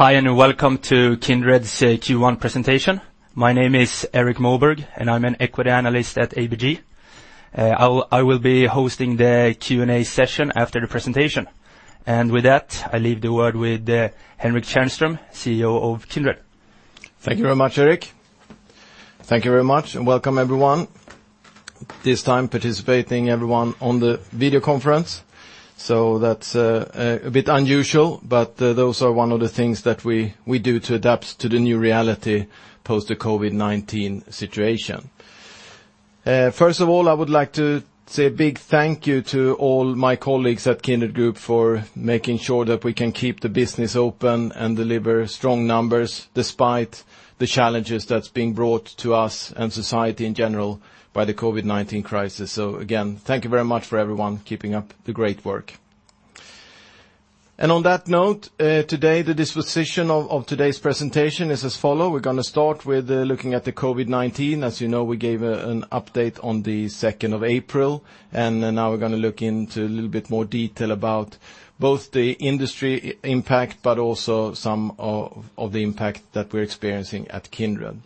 Hi, and welcome to Kindred's Q1 presentation. My name is Erik Moberg, and I'm an Equity Analyst at ABG. I will be hosting the Q&A session after the presentation. With that, I leave the word with Henrik Tjärnström, CEO of Kindred. Thank you very much, Erik. Thank you very much, welcome, everyone. This time participating, everyone on the video conference. That's a bit unusual, those are one of the things that we do to adapt to the new reality post the COVID-19 situation. First of all, I would like to say a big thank you to all my colleagues at Kindred Group for making sure that we can keep the business open and deliver strong numbers despite the challenges that's being brought to us and society in general by the COVID-19 crisis. Again, thank you very much for everyone keeping up the great work. On that note, today the disposition of today's presentation is as follow. We're going to start with looking at the COVID-19. As you know, we gave an update on the 2nd of April. Now we're going to look into a little bit more detail about both the industry impact, but also some of the impact that we're experiencing at Kindred.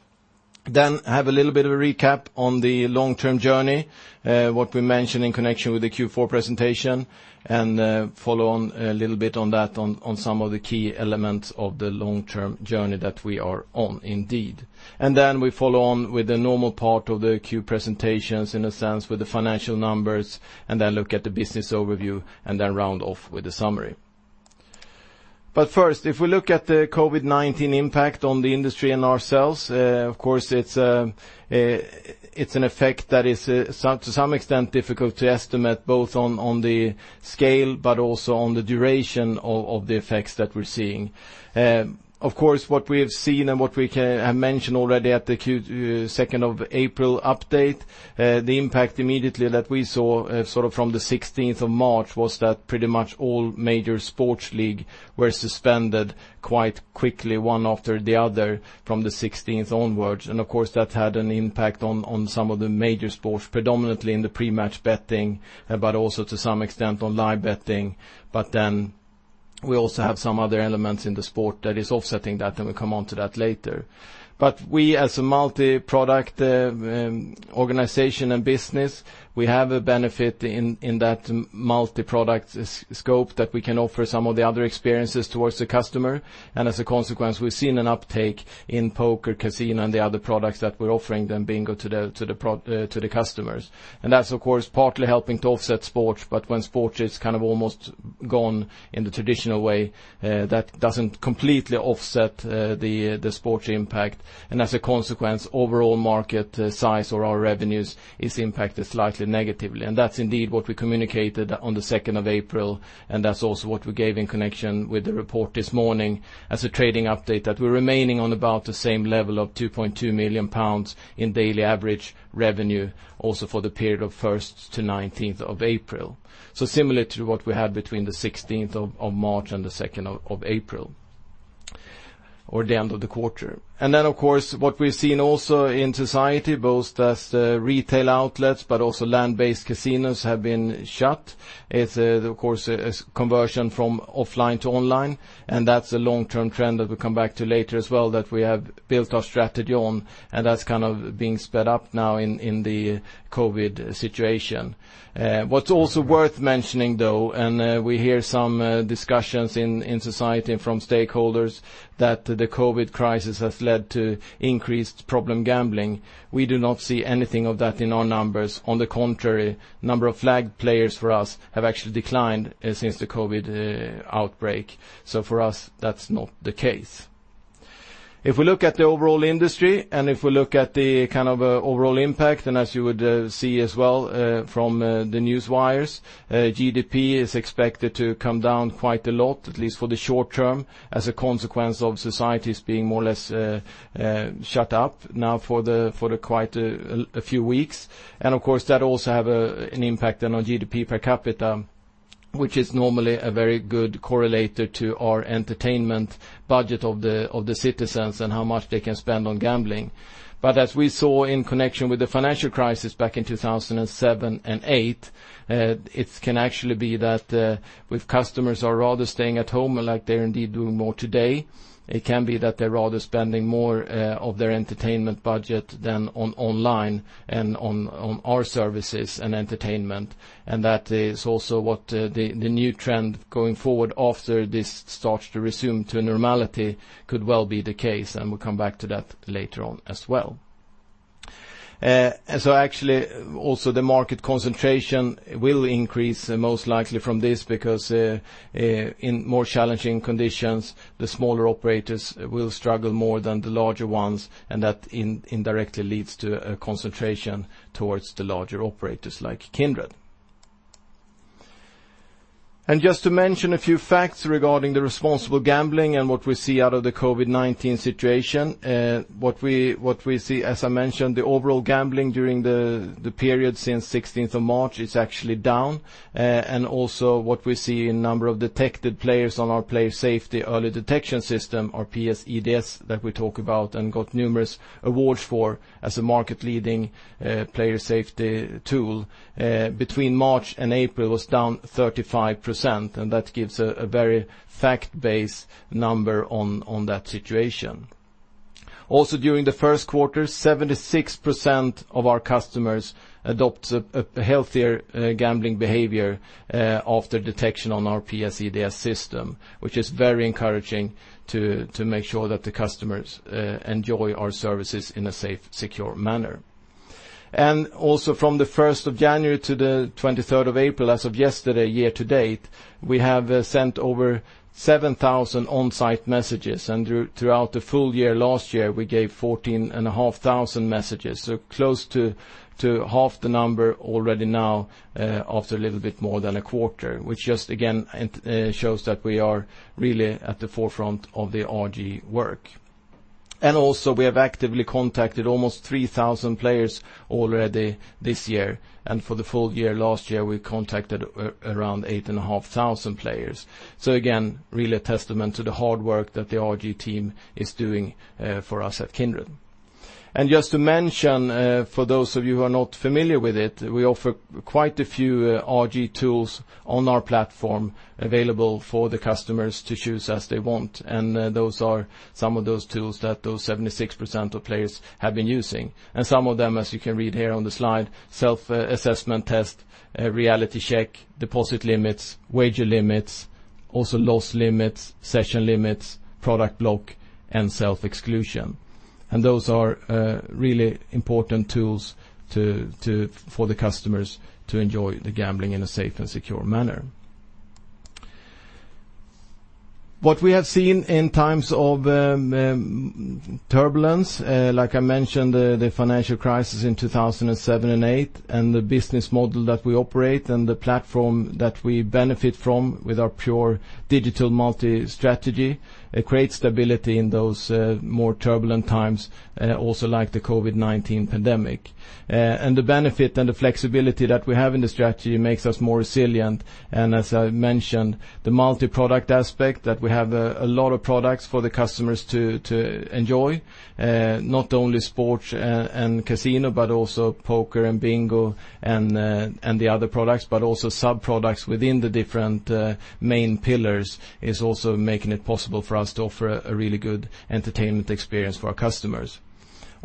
Have a little bit of a recap on the long-term journey, what we mentioned in connection with the Q4 presentation, and follow on a little bit on that on some of the key elements of the long-term journey that we are on, indeed. We follow on with the normal part of the Q presentations, in a sense, with the financial numbers, and then look at the business overview, and then round off with the summary. First, if we look at the COVID-19 impact on the industry and ourselves, of course it's an effect that is to some extent difficult to estimate, both on the scale, but also on the duration of the effects that we're seeing. Of course, what we have seen and what we have mentioned already at the 2nd of April update, the impact immediately that we saw sort of from the 16th of March was that pretty much all major sports league were suspended quite quickly, one after the other from the 16th onwards. Of course that had an impact on some of the major sports, predominantly in the pre-match betting, but also to some extent on live betting. Then we also have some other elements in the sport that is offsetting that, and we'll come on to that later. We as a multi-product organization and business, we have a benefit in that multi-product scope that we can offer some of the other experiences towards the customer. As a consequence, we've seen an uptake in poker, casino, and the other products that we're offering then bingo to the customers. That's of course partly helping to offset sports, but when sports is kind of almost gone in the traditional way, that doesn't completely offset the sports impact. As a consequence, overall market size or our revenues is impacted slightly negatively. That's indeed what we communicated on the 2nd of April, and that's also what we gave in connection with the report this morning as a trading update that we're remaining on about the same level of 2.2 million pounds in daily average revenue also for the period of 1st to 19th of April. Similar to what we had between the 16th of March and the 2nd of April or the end of the quarter. Then of course what we've seen also in society both as retail outlets but also land-based casinos have been shut. It's, of course, a conversion from offline to online, and that's a long-term trend that we'll come back to later as well that we have built our strategy on, and that's kind of being sped up now in the COVID situation. What's also worth mentioning though, and we hear some discussions in society and from stakeholders that the COVID crisis has led to increased problem gambling. We do not see anything of that in our numbers. On the contrary, number of flagged players for us have actually declined since the COVID outbreak. For us, that's not the case. If we look at the overall industry and if we look at the kind of overall impact, and as you would see as well from the news wires, GDP is expected to come down quite a lot, at least for the short term, as a consequence of societies being more or less shut up now for quite a few weeks. Of course that also have an impact then on GDP per capita, which is normally a very good correlator to our entertainment budget of the citizens and how much they can spend on gambling. As we saw in connection with the financial crisis back in 2007 and 2008, it can actually be that with customers are rather staying at home like they're indeed doing more today, it can be that they're rather spending more of their entertainment budget then on online and on our services and entertainment. That is also what the new trend going forward after this starts to resume to a normality could well be the case, and we'll come back to that later on as well. Actually, also the market concentration will increase most likely from this because in more challenging conditions, the smaller operators will struggle more than the larger ones, and that indirectly leads to a concentration towards the larger operators like Kindred. Just to mention a few facts regarding the responsible gambling and what we see out of the COVID-19 situation. What we see, as I mentioned, the overall gambling during the period since 16th of March is actually down. What we see in number of detected players on our Player Safety Early Detection System, our PS-EDS that we talk about and got numerous awards for as a market leading player safety tool, between March and April was down 35%. That gives a very fact-based number on that situation. Also, during the first quarter, 76% of our customers adopt a healthier gambling behavior after detection on our PS-EDS system, which is very encouraging to make sure that the customers enjoy our services in a safe, secure manner. Also from the 1st of January to the 23rd of April as of yesterday, year to date, we have sent over 7,000 on-site messages, and throughout the full year last year, we gave 14,500 messages, so close to half the number already now after a little bit more than a quarter, which just again, shows that we are really at the forefront of the RG work. Also, we have actively contacted almost 3,000 players already this year, and for the full year last year, we contacted around 8,500 players. Again, really a testament to the hard work that the RG team is doing for us at Kindred. Just to mention, for those of you who are not familiar with it, we offer quite a few RG tools on our platform available for the customers to choose as they want. Those are some of those tools that those 76% of players have been using. Some of them, as you can read here on the slide, self-assessment test, reality check, deposit limits, wager limits, also loss limits, session limits, product block, and self-exclusion. Those are really important tools for the customers to enjoy the gambling in a safe and secure manner. What we have seen in times of turbulence, like I mentioned, the financial crisis in 2007 and 2008, the business model that we operate and the platform that we benefit from with our pure digital multi-strategy, creates stability in those more turbulent times, also like the COVID-19 pandemic. The benefit and the flexibility that we have in the strategy makes us more resilient. As I mentioned, the multi-product aspect that we have a lot of products for the customers to enjoy, not only sports and casino, but also poker and bingo and the other products, but also sub-products within the different main pillars is also making it possible for us to offer a really good entertainment experience for our customers.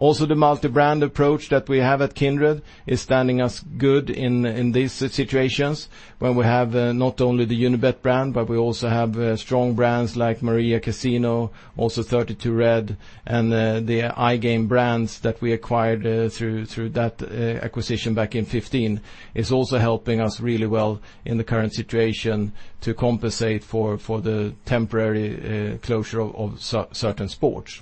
Also, the multi-brand approach that we have at Kindred is standing us good in these situations when we have not only the Unibet brand, but we also have strong brands like Maria Casino, also 32Red, and the iGame brands that we acquired through that acquisition back in 2015 is also helping us really well in the current situation to compensate for the temporary closure of certain sports.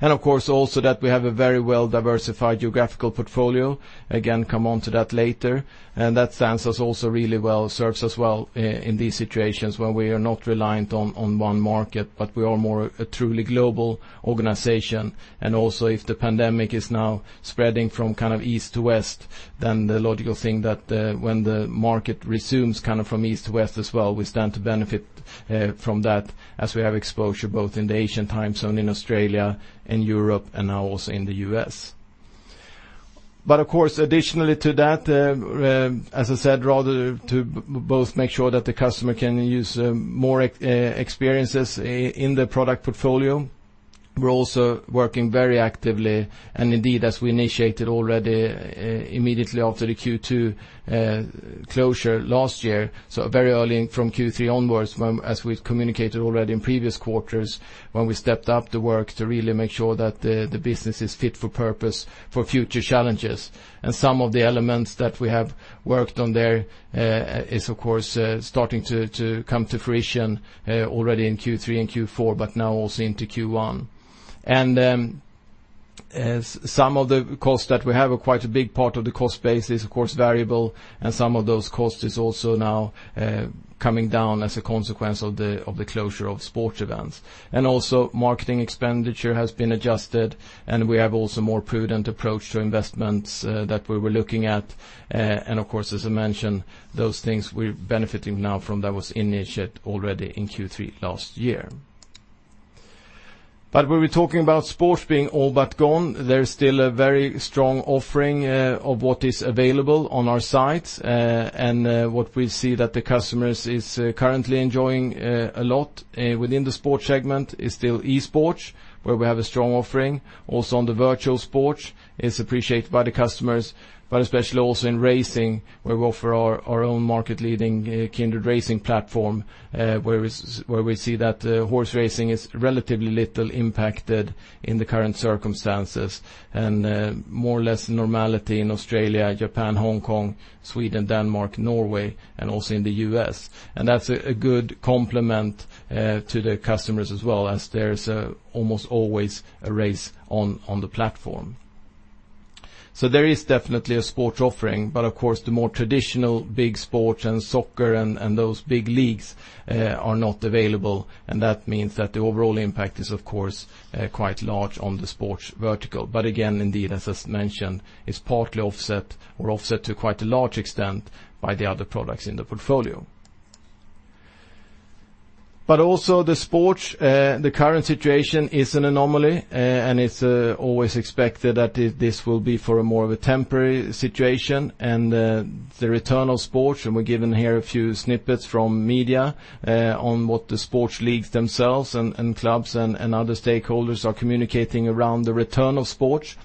Of course, also that we have a very well-diversified geographical portfolio, again, come on to that later. That stands us also really well, serves us well in these situations when we are not reliant on one market, but we are more a truly global organization. Also if the pandemic is now spreading from kind of East to West, then the logical thing that when the market resumes kind of from East to West as well, we stand to benefit from that as we have exposure both in the Asian time zone, in Australia and Europe, and now also in the U.S. Of course, additionally to that, as I said, rather to both make sure that the customer can use more experiences in the product portfolio, we're also working very actively and indeed, as we initiated already immediately after the Q2 closure last year, so very early from Q3 onwards, as we've communicated already in previous quarters, when we stepped up the work to really make sure that the business is fit for purpose for future challenges. Some of the elements that we have worked on there is, of course, starting to come to fruition, already in Q3 and Q4, but now also into Q1. Some of the costs that we have, quite a big part of the cost base is, of course, variable, and some of those costs is also now coming down as a consequence of the closure of sports events. Also marketing expenditure has been adjusted, and we have also more prudent approach to investments that we were looking at. Of course, as I mentioned, those things we're benefiting now from that was initiated already in Q3 last year. When we're talking about sports being all but gone, there's still a very strong offering of what is available on our site. What we see that the customers is currently enjoying a lot, within the sports segment is still esports, where we have a strong offering. Also on the virtual sports is appreciated by the customers, but especially also in racing, where we offer our own market-leading Kindred Racing Platform, where we see that horse racing is relatively little impacted in the current circumstances and more or less normality in Australia, Japan, Hong Kong, Sweden, Denmark, Norway, and also in the U.S. That's a good complement to the customers as well as there's almost always a race on the platform. There is definitely a sports offering, but of course, the more traditional big sports and soccer and those big leagues are not available, and that means that the overall impact is, of course, quite large on the sports vertical. Again, indeed, as just mentioned, it's partly offset or offset to quite a large extent by the other products in the portfolio. Also the sports, the current situation is an anomaly, and it's always expected that this will be for a more of a temporary situation and the return of sports, and we're given here a few snippets from media, on what the sports leagues themselves and clubs and other stakeholders are communicating around the return of sports.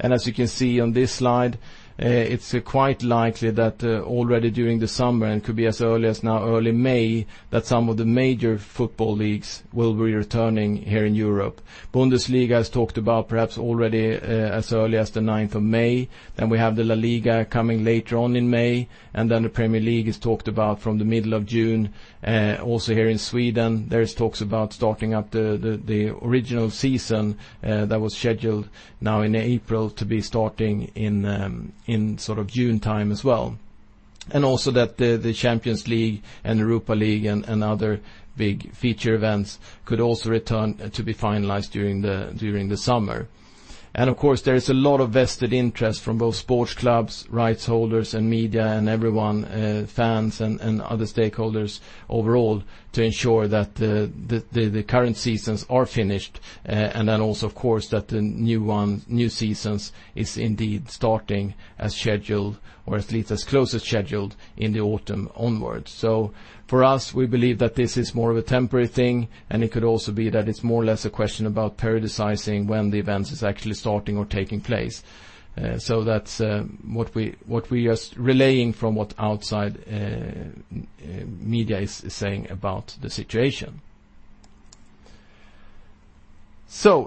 As you can see on this slide, it's quite likely that already during the summer, and could be as early as now, early May, that some of the major football leagues will be returning here in Europe. Bundesliga is talked about perhaps already as early as the 9th of May. We have the La Liga coming later on in May, and then the Premier League is talked about from the middle of June. Here in Sweden, there is talks about starting up the original season that was scheduled now in April to be starting in June time as well. Also that the Champions League and Europa League and other big feature events could also return to be finalized during the summer. Of course, there is a lot of vested interest from both sports clubs, rights holders and media and everyone, fans and other stakeholders overall to ensure that the current seasons are finished. Then also, of course, that the new seasons is indeed starting as scheduled, or at least as close as scheduled in the autumn onwards. For us, we believe that this is more of a temporary thing, and it could also be that it's more or less a question about periodizing when the events is actually starting or taking place. That's what we are relaying from what outside media is saying about the situation.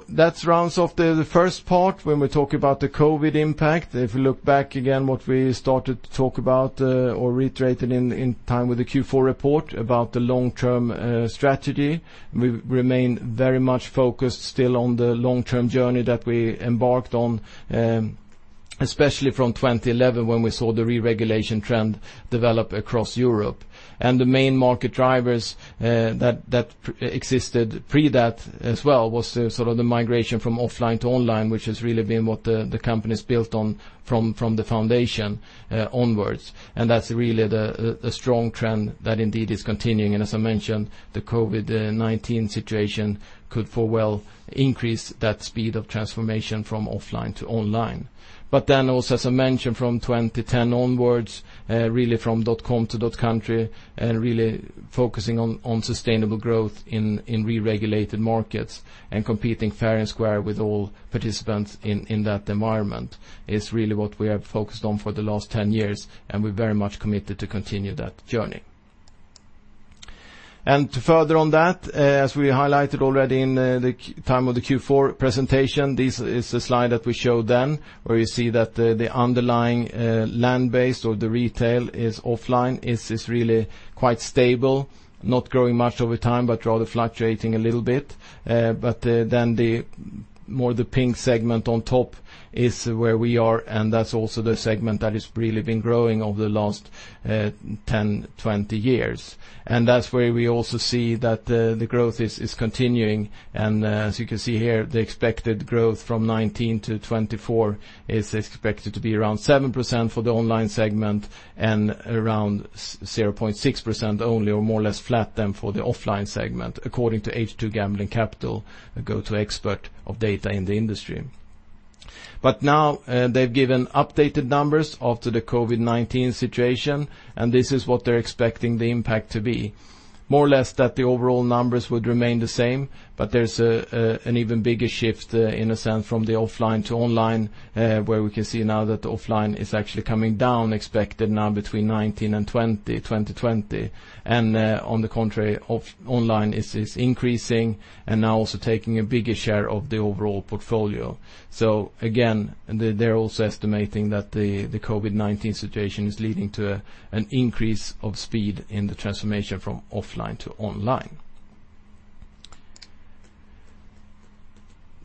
That rounds off the first part when we talk about the COVID-19 impact. If we look back again what we started to talk about or reiterated in time with the Q4 report about the long-term strategy, we remain very much focused still on the long-term journey that we embarked on, especially from 2011, when we saw the re-regulation trend develop across Europe. The main market drivers that existed pre that as well was the migration from offline to online, which has really been what the company's built on from the foundation onwards. That's really the strong trend that indeed is continuing. As I mentioned, the COVID-19 situation could full well increase that speed of transformation from offline to online. Also, as I mentioned, from 2010 onwards, really from .com to .country and really focusing on sustainable growth in re-regulated markets and competing fair and square with all participants in that environment is really what we have focused on for the last 10 years, and we're very much committed to continue that journey. To further on that, as we highlighted already in the time of the Q4 presentation, this is a slide that we showed then, where you see that the underlying land-based or the retail is offline is really quite stable, not growing much over time, but rather fluctuating a little bit. The more the pink segment on top is where we are, and that's also the segment that has really been growing over the last 10, 20 years. That's where we also see that the growth is continuing and as you can see here, the expected growth from 2019-2024 is expected to be around 7% for the online segment and around 0.6% only or more or less flat than for the offline segment, according to H2 Gambling Capital, a go-to expert of data in the industry. Now they've given updated numbers after the COVID-19 situation, and this is what they're expecting the impact to be. More or less that the overall numbers would remain the same, but there's an even bigger shift in a sense from the offline to online, where we can see now that offline is actually coming down, expected now between 2019 and 2020. On the contrary, online is increasing and now also taking a bigger share of the overall portfolio. Again, they're also estimating that the COVID-19 situation is leading to an increase of speed in the transformation from offline to online.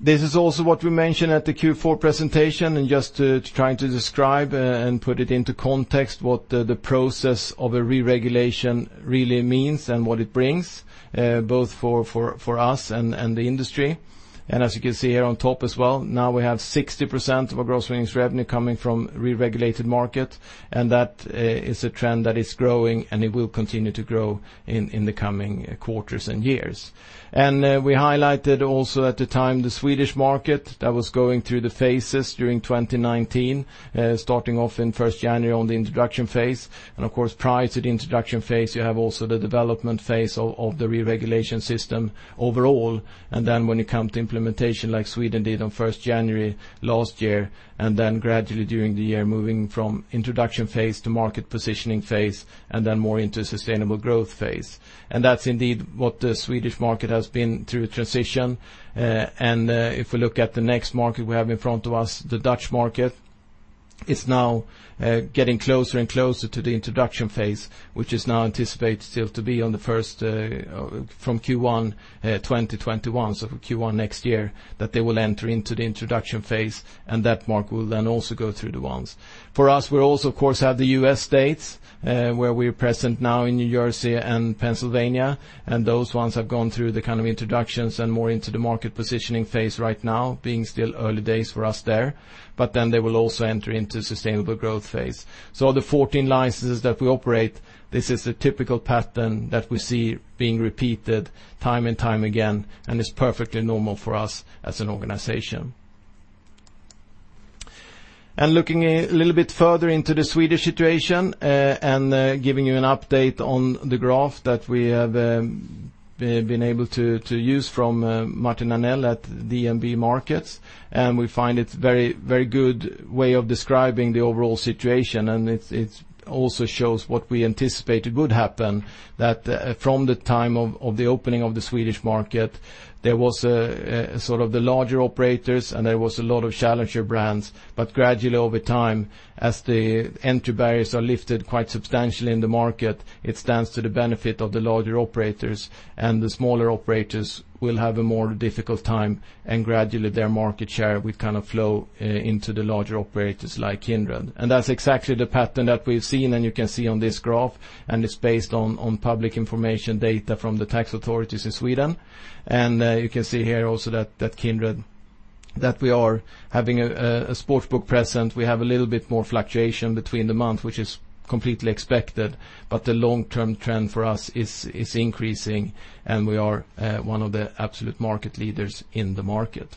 This is also what we mentioned at the Q4 presentation and just trying to describe and put it into context what the process of a re-regulation really means and what it brings, both for us and the industry. As you can see here on top as well, now we have 60% of our gross winnings revenue coming from re-regulated market, and that is a trend that is growing and it will continue to grow in the coming quarters and years. We highlighted also at the time the Swedish market that was going through the phases during 2019, starting off in 1st January on the introduction phase. Of course, prior to the introduction phase, you have also the development phase of the re-regulation system overall. When it come to implementation like Sweden did on 1st January last year, gradually during the year moving from introduction phase to market positioning phase, more into sustainable growth phase. That's indeed what the Swedish market has been through a transition. If we look at the next market we have in front of us, the Dutch market, is now getting closer and closer to the introduction phase, which is now anticipated still to be from Q1 2021. For Q1 next year that they will enter into the introduction phase, and that market will then also go through the ones. For us, we also, of course, have the U.S. states, where we're present now in New Jersey and Pennsylvania. Those ones have gone through the kind of introductions and more into the market positioning phase right now, being still early days for us there. Then they will also enter into sustainable growth phase. The 14 licenses that we operate, this is the typical pattern that we see being repeated time and time again, and it's perfectly normal for us as an organization. Looking a little bit further into the Swedish situation, and giving you an update on the graph that we have been able to use from Martin Arnell at DNB Markets. We find it very good way of describing the overall situation, and it also shows what we anticipated would happen that from the time of the opening of the Swedish market, there was the larger operators, and there was a lot of challenger brands. Gradually over time, as the entry barriers are lifted quite substantially in the market, it stands to the benefit of the larger operators, and the smaller operators will have a more difficult time, and gradually their market share will flow into the larger operators like Kindred. That's exactly the pattern that we've seen, and you can see on this graph, and it's based on public information data from the tax authorities in Sweden. You can see here also that Kindred, that we are having a sports book present. We have a little bit more fluctuation between the months, which is completely expected, but the long-term trend for us is increasing, and we are one of the absolute market leaders in the market.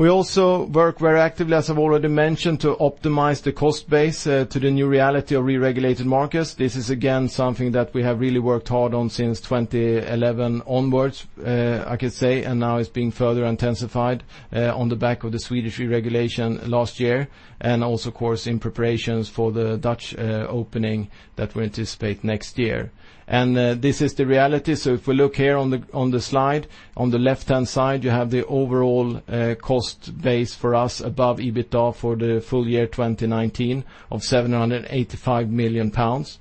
We also work very actively, as I've already mentioned, to optimize the cost base to the new reality of re-regulated markets. This is again, something that we have really worked hard on since 2011 onwards, I could say, and now it's being further intensified on the back of the Swedish re-regulation last year and also of course, in preparations for the Dutch opening that we anticipate next year. This is the reality. If we look here on the slide, on the left-hand side, you have the overall cost base for us above EBITDA for the full year 2019 of 785 million pounds.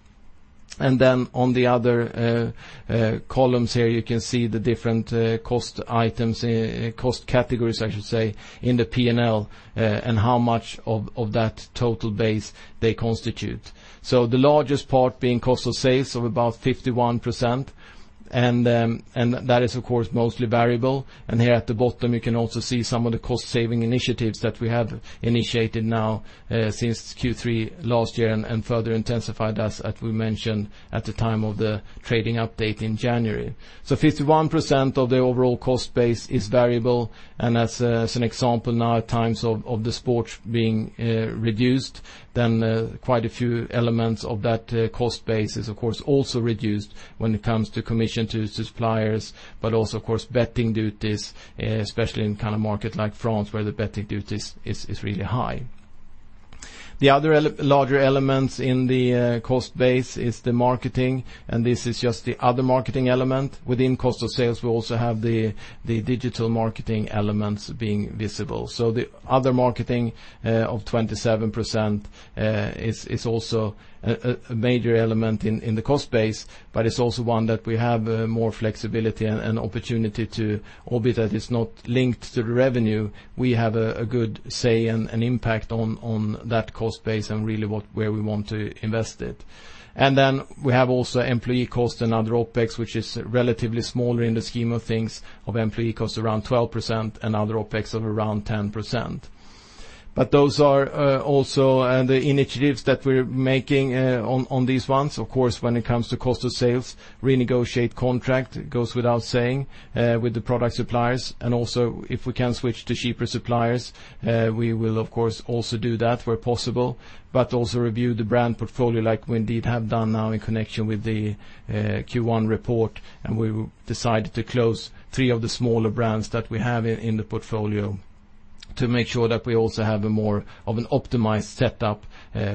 Then on the other columns here, you can see the different cost items, cost categories, I should say, in the P&L, and how much of that total base they constitute. The largest part being cost of sales of about 51%, and that is of course mostly variable. Here at the bottom, you can also see some of the cost-saving initiatives that we have initiated now since Q3 last year and further intensified as we mentioned at the time of the trading update in January. 51% of the overall cost base is variable, and as an example, now at times of the sports being reduced, then quite a few elements of that cost base is, of course, also reduced when it comes to commission to suppliers, but also of course, betting duties, especially in market like France, where the betting duties is really high. The other larger elements in the cost base is the marketing, this is just the other marketing element within cost of sales. We also have the digital marketing elements being visible. The other marketing of 27% is also a major element in the cost base, but it's also one that we have more flexibility and opportunity to orbit that is not linked to the revenue. We have a good say and impact on that cost base and really where we want to invest it. We have also employee cost and other OpEx, which is relatively smaller in the scheme of things of employee cost around 12% and other OpEx of around 10%. Those are also the initiatives that we're making on these ones, of course, when it comes to cost of sales, renegotiate contract, it goes without saying, with the product suppliers. Also if we can switch to cheaper suppliers, we will of course also do that where possible, but also review the brand portfolio like we indeed have done now in connection with the Q1 report. We decided to close three of the smaller brands that we have in the portfolio to make sure that we also have a more of an optimized setup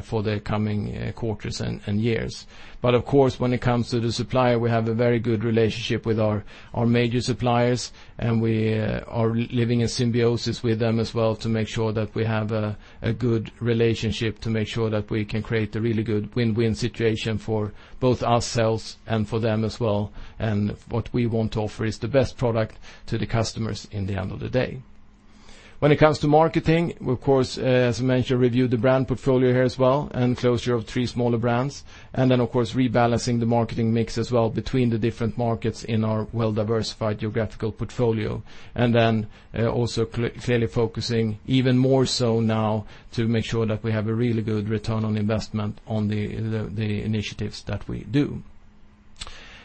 for the coming quarters and years. Of course, when it comes to the supplier, we have a very good relationship with our major suppliers, and we are living in symbiosis with them as well to make sure that we have a good relationship, to make sure that we can create a really good win-win situation for both ourselves and for them as well. What we want to offer is the best product to the customers in the end of the day. When it comes to marketing, of course, as I mentioned, review the brand portfolio here as well and closure of three smaller brands. Of course, rebalancing the marketing mix as well between the different markets in our well-diversified geographical portfolio. Also clearly focusing even more so now to make sure that we have a really good return on investment on the initiatives that we do.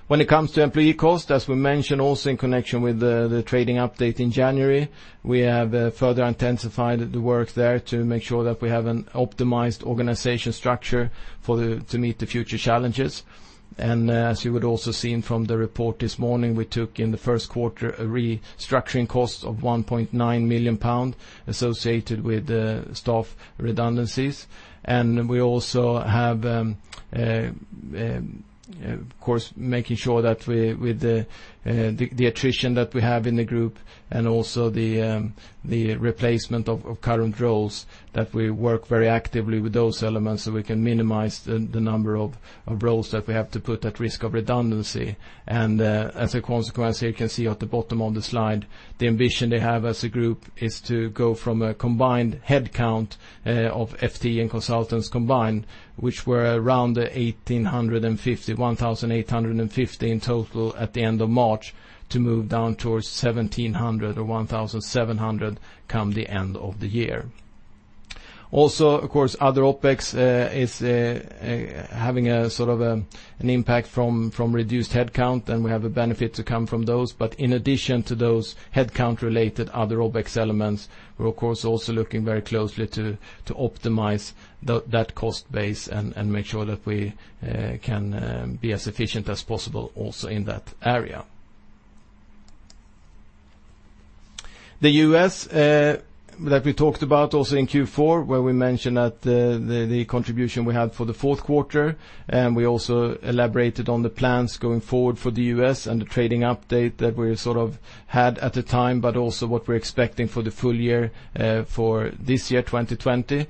When it comes to employee cost, as we mentioned, also in connection with the trading update in January, we have further intensified the work there to make sure that we have an optimized organization structure to meet the future challenges. As you would also seen from the report this morning, we took in the first quarter a restructuring cost of 1.9 million pounds associated with staff redundancies. We also have, of course, making sure that with the attrition that we have in the group and also the replacement of current roles, that we work very actively with those elements so we can minimize the number of roles that we have to put at risk of redundancy. As a consequence, here you can see at the bottom of the slide, the ambition they have as a group is to go from a combined headcount of FT and consultants combined, which were around 1,850 in total at the end of March to move down towards 1,700 come the end of the year. Of course, other OpEx is having an impact from reduced headcount, and we have a benefit to come from those. In addition to those headcount-related other OpEx elements, we're of course also looking very closely to optimize that cost base and make sure that we can be as efficient as possible also in that area. The U.S. that we talked about also in Q4, where we mentioned the contribution we had for the fourth quarter, and we also elaborated on the plans going forward for the U.S. and the trading update that we had at the time, but also what we're expecting for the full year for this year, 2020.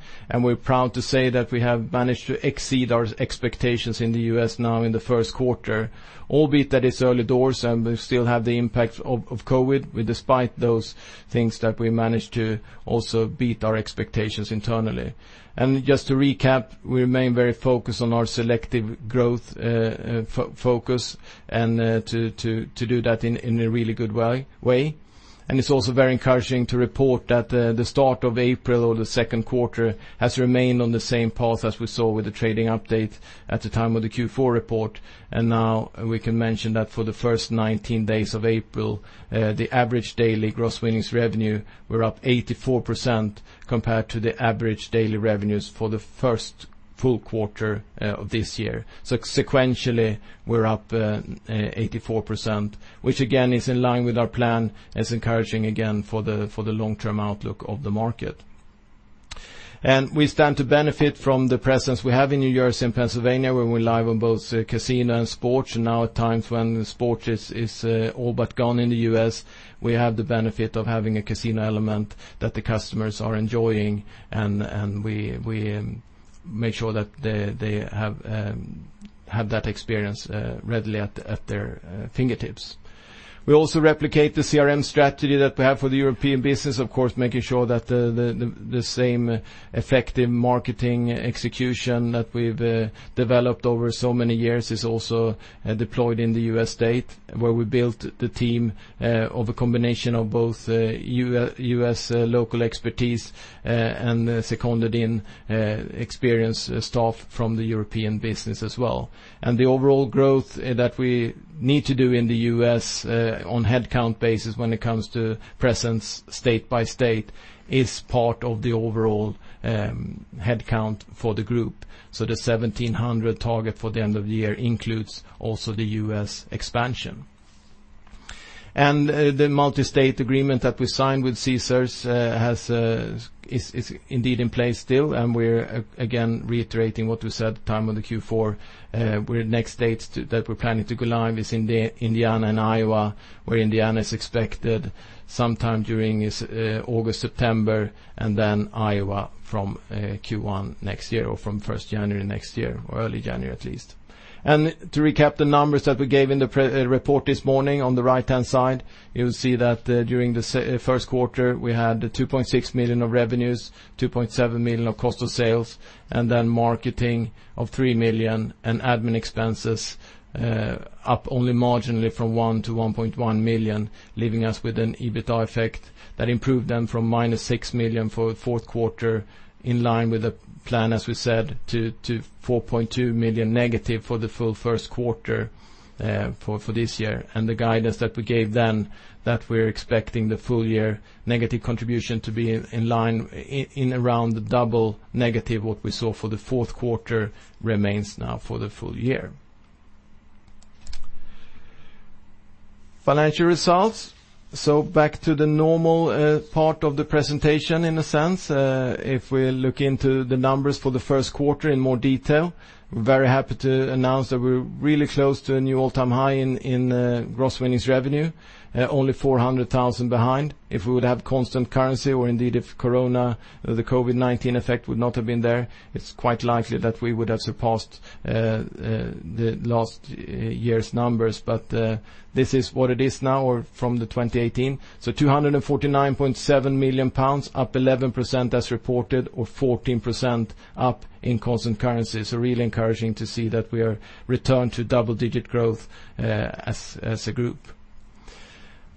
We're proud to say that we have managed to exceed our expectations in the U.S. now in the first quarter, albeit that it's early doors and we still have the impact of COVID. Despite those things, we managed to also beat our expectations internally. Just to recap, we remain very focused on our selective growth focus and to do that in a really good way. It's also very encouraging to report that the start of April or the second quarter has remained on the same path as we saw with the trading update at the time of the Q4 report. Now we can mention that for the first 19 days of April, the average daily gross winnings revenue were up 84% compared to the average daily revenues for the first full quarter of this year. Sequentially, we're up 84%, which again, is in line with our plan, is encouraging again for the long-term outlook of the market. We stand to benefit from the presence we have in New Jersey and Pennsylvania, where we're live on both casino and sports. Now at times when sports is all but gone in the U.S., we have the benefit of having a casino element that the customers are enjoying, and we make sure that they have that experience readily at their fingertips. We also replicate the CRM strategy that we have for the European business, of course, making sure that the same effective marketing execution that we've developed over so many years is also deployed in the U.S. state, where we built the team of a combination of both U.S. local expertise and seconded-in experienced staff from the European business as well. The overall growth that we need to do in the U.S. on a headcount basis when it comes to presence state by state is part of the overall headcount for the group. The 1,700 target for the end of the year includes also the U.S. expansion. The multi-state agreement that we signed with Caesars is indeed in place still. We're again reiterating what we said at the time of the Q4, where the next states that we're planning to go live is Indiana and Iowa, where Indiana is expected sometime during August, September. Then Iowa from Q1 next year or from 1st January next year, or early January at least. To recap the numbers that we gave in the report this morning, on the right-hand side, you will see that during the first quarter, we had 2.6 million of revenues, 2.7 million of cost of sales, marketing of 3 million, and admin expenses up only marginally from 1 million to 1.1 million, leaving us with an EBITDA effect that improved then from minus 6 million for the fourth quarter in line with the plan, as we said, to 4.2 million negative for the full first quarter for this year. The guidance that we gave then, that we're expecting the full year negative contribution to be in line in around double negative what we saw for the fourth quarter remains now for the full year. Financial results. Back to the normal part of the presentation, in a sense. If we look into the numbers for the first quarter in more detail, we're very happy to announce that we're really close to a new all-time high in gross winnings revenue, only 400,000 behind. If we would have constant currency or indeed if COVID-19 effect would not have been there, it's quite likely that we would have surpassed the last year's numbers. This is what it is now or from the 2018. 249.7 million pounds, up 11% as reported or 14% up in constant currency. Really encouraging to see that we are returned to double-digit growth as a group.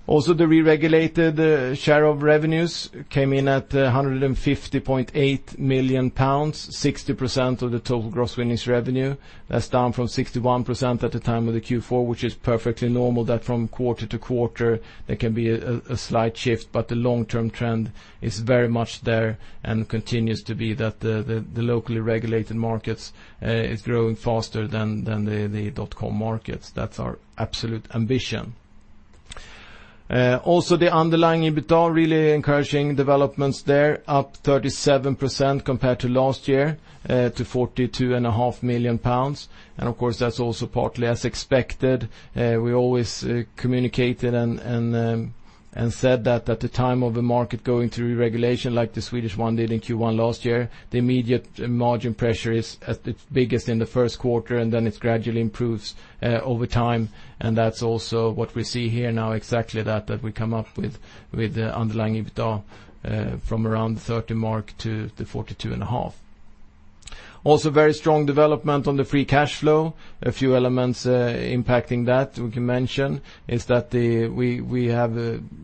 Also, the reregulated share of revenues came in at 150.8 million pounds, 60% of the total gross winnings revenue. That's down from 61% at the time of the Q4, which is perfectly normal that from quarter to quarter, there can be a slight shift, but the long-term trend is very much there and continues to be that the locally regulated markets is growing faster than the dot-com markets. That's our absolute ambition. Also, the underlying EBITDA, really encouraging developments there, up 37% compared to last year to 42.5 million pounds. Of course, that's also partly as expected. We always communicated and said that at the time of the market going through regulation, like the Swedish one did in Q1 last year, the immediate margin pressure is at its biggest in the first quarter, and then it gradually improves over time. That's also what we see here now, exactly that we come up with the underlying EBITDA from around the 30 to the 42.5. Very strong development on the free cash flow. A few elements impacting that we can mention is that we have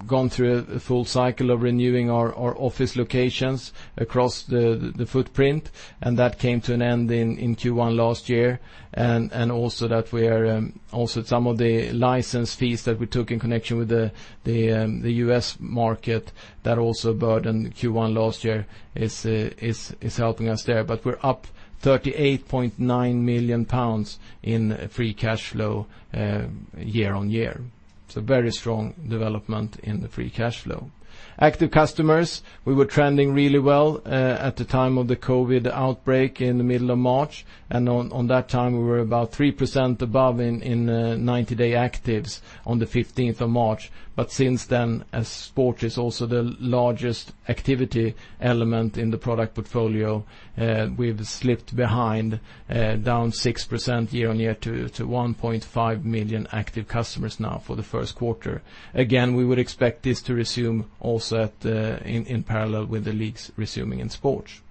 gone through a full cycle of renewing our office locations across the footprint, and that came to an end in Q1 last year. Some of the license fees that we took in connection with the U.S. market, that also burdened Q1 last year is helping us there. We're up 38.9 million pounds in free cash flow year-on-year. Very strong development in the free cash flow. Active customers, we were trending really well at the time of the COVID-19 outbreak in the middle of March. On that time we were about 3% above in 90-day actives on the 15th of March. Since then, as sport is also the largest activity element in the product portfolio, we've slipped behind, down 6% year-on-year to 1.5 million active customers now for the first quarter. Again, we would expect this to resume also in parallel with the leagues resuming in sports.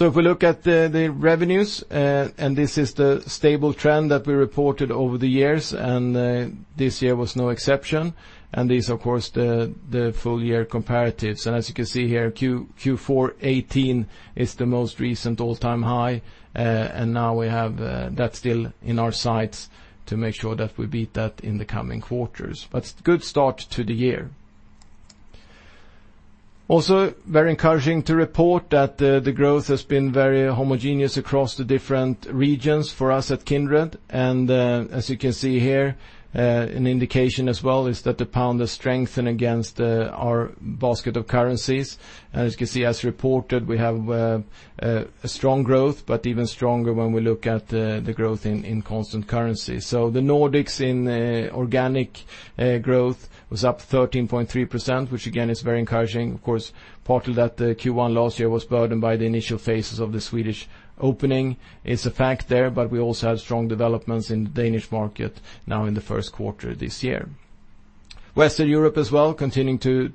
If we look at the revenues, this is the stable trend that we reported over the years, this year was no exception, this, of course, the full year comparatives. As you can see here, Q4 2018 is the most recent all-time high, and now we have that still in our sights to make sure that we beat that in the coming quarters. Good start to the year. Also very encouraging to report that the growth has been very homogeneous across the different regions for us at Kindred. As you can see here, an indication as well is that the pound has strengthened against our basket of currencies. As you can see as reported, we have a strong growth, but even stronger when we look at the growth in constant currencies. The Nordics in organic growth was up 13.3%, which again is very encouraging. Of course, partly that Q1 last year was burdened by the initial phases of the Swedish opening is a fact there, but we also have strong developments in the Danish market now in the first quarter this year. Western Europe as well continuing to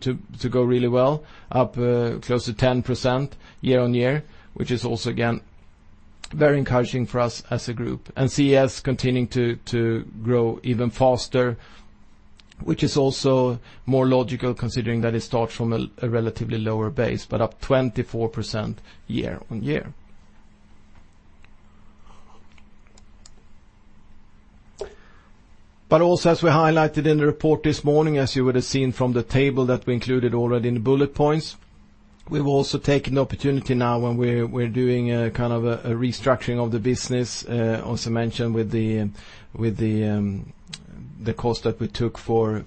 go really well, up close to 10% year-on-year, which is also, again, very encouraging for us as a group. CES continuing to grow even faster, which is also more logical considering that it starts from a relatively lower base, but up 24% year-on-year. Also, as we highlighted in the report this morning, as you would have seen from the table that we included already in the bullet points, we've also taken the opportunity now when we're doing a restructuring of the business, also mentioned with the cost that we took for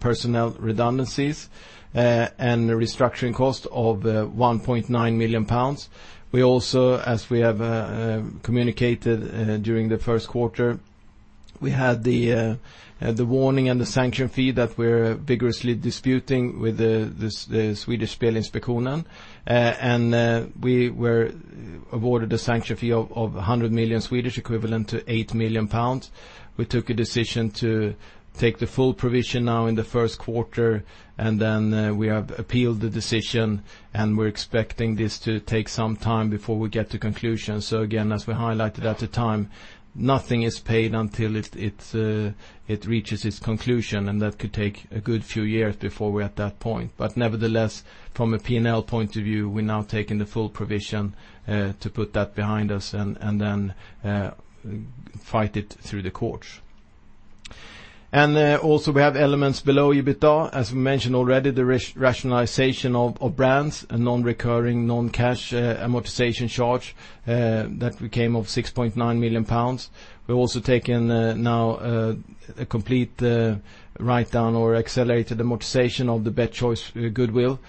personnel redundancies and the restructuring cost of 1.9 million pounds. We also, as we have communicated during the first quarter, we had the warning and the sanction fee that we're vigorously disputing with the Swedish Spelinspektionen, and we were awarded a sanction fee of 100 million, equivalent to 8 million pounds. We took a decision to take the full provision now in the first quarter, and then we have appealed the decision, and we're expecting this to take some time before we get to conclusion. Again, as we highlighted at the time, nothing is paid until it reaches its conclusion, and that could take a good few years before we're at that point. Nevertheless, from a P&L point of view, we're now taking the full provision to put that behind us and then fight it through the courts. Also, we have elements below EBITDA. As we mentioned already, the rationalization of brands, a non-recurring, non-cash amortization charge that we came of 6.9 million pounds. We're also taking now a complete write-down or accelerated amortization of the Betchoice goodwill,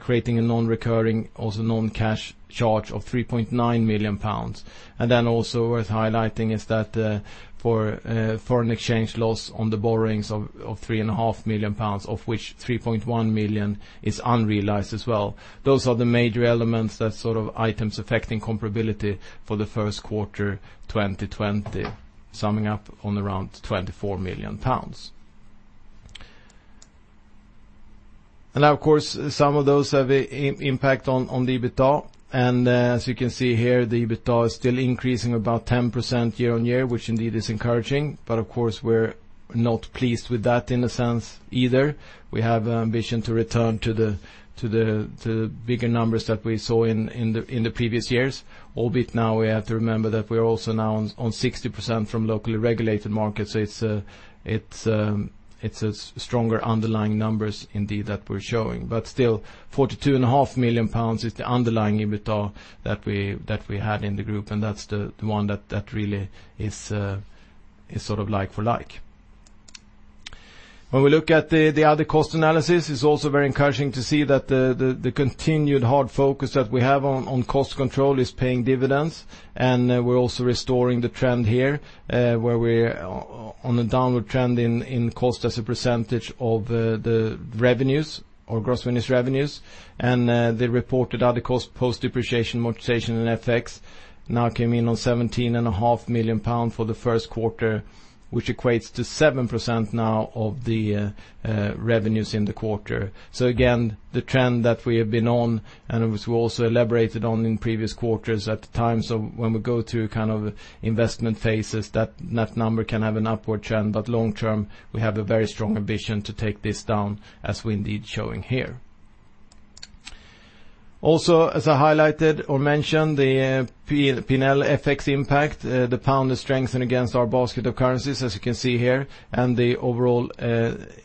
creating a non-recurring, also non-cash charge of 3.9 million pounds. Also worth highlighting is that for foreign exchange loss on the borrowings of 3.5 million pounds, of which 3.1 million is unrealized as well. Those are the major elements, that sort of items affecting comparability for the first quarter 2020, summing up on around 24 million pounds. Now, of course, some of those have impact on the EBITDA. As you can see here, the EBITDA is still increasing about 10% year-on-year, which indeed is encouraging. Of course, we're not pleased with that in a sense either. We have ambition to return to the bigger numbers that we saw in the previous years, albeit now we have to remember that we're also now on 60% from locally regulated markets. It's stronger underlying numbers indeed that we're showing. Still, 42.5 million pounds is the underlying EBITDA that we had in the group, and that's the one that really is sort of like for like. When we look at the other cost analysis, it's also very encouraging to see that the continued hard focus that we have on cost control is paying dividends, and we're also restoring the trend here where we're on a downward trend in cost as a percentage of the revenues or gross winnings revenues. The reported other cost post depreciation, amortization, and FX now came in on 17.5 million pounds for the first quarter, which equates to 7% now of the revenues in the quarter. Again, the trend that we have been on, and which we also elaborated on in previous quarters at the time. When we go to kind of investment phases, that net number can have an upward trend, but long-term, we have a very strong ambition to take this down as we indeed showing here. As I highlighted or mentioned, the P&L FX impact, the pound has strengthened against our basket of currencies, as you can see here. The overall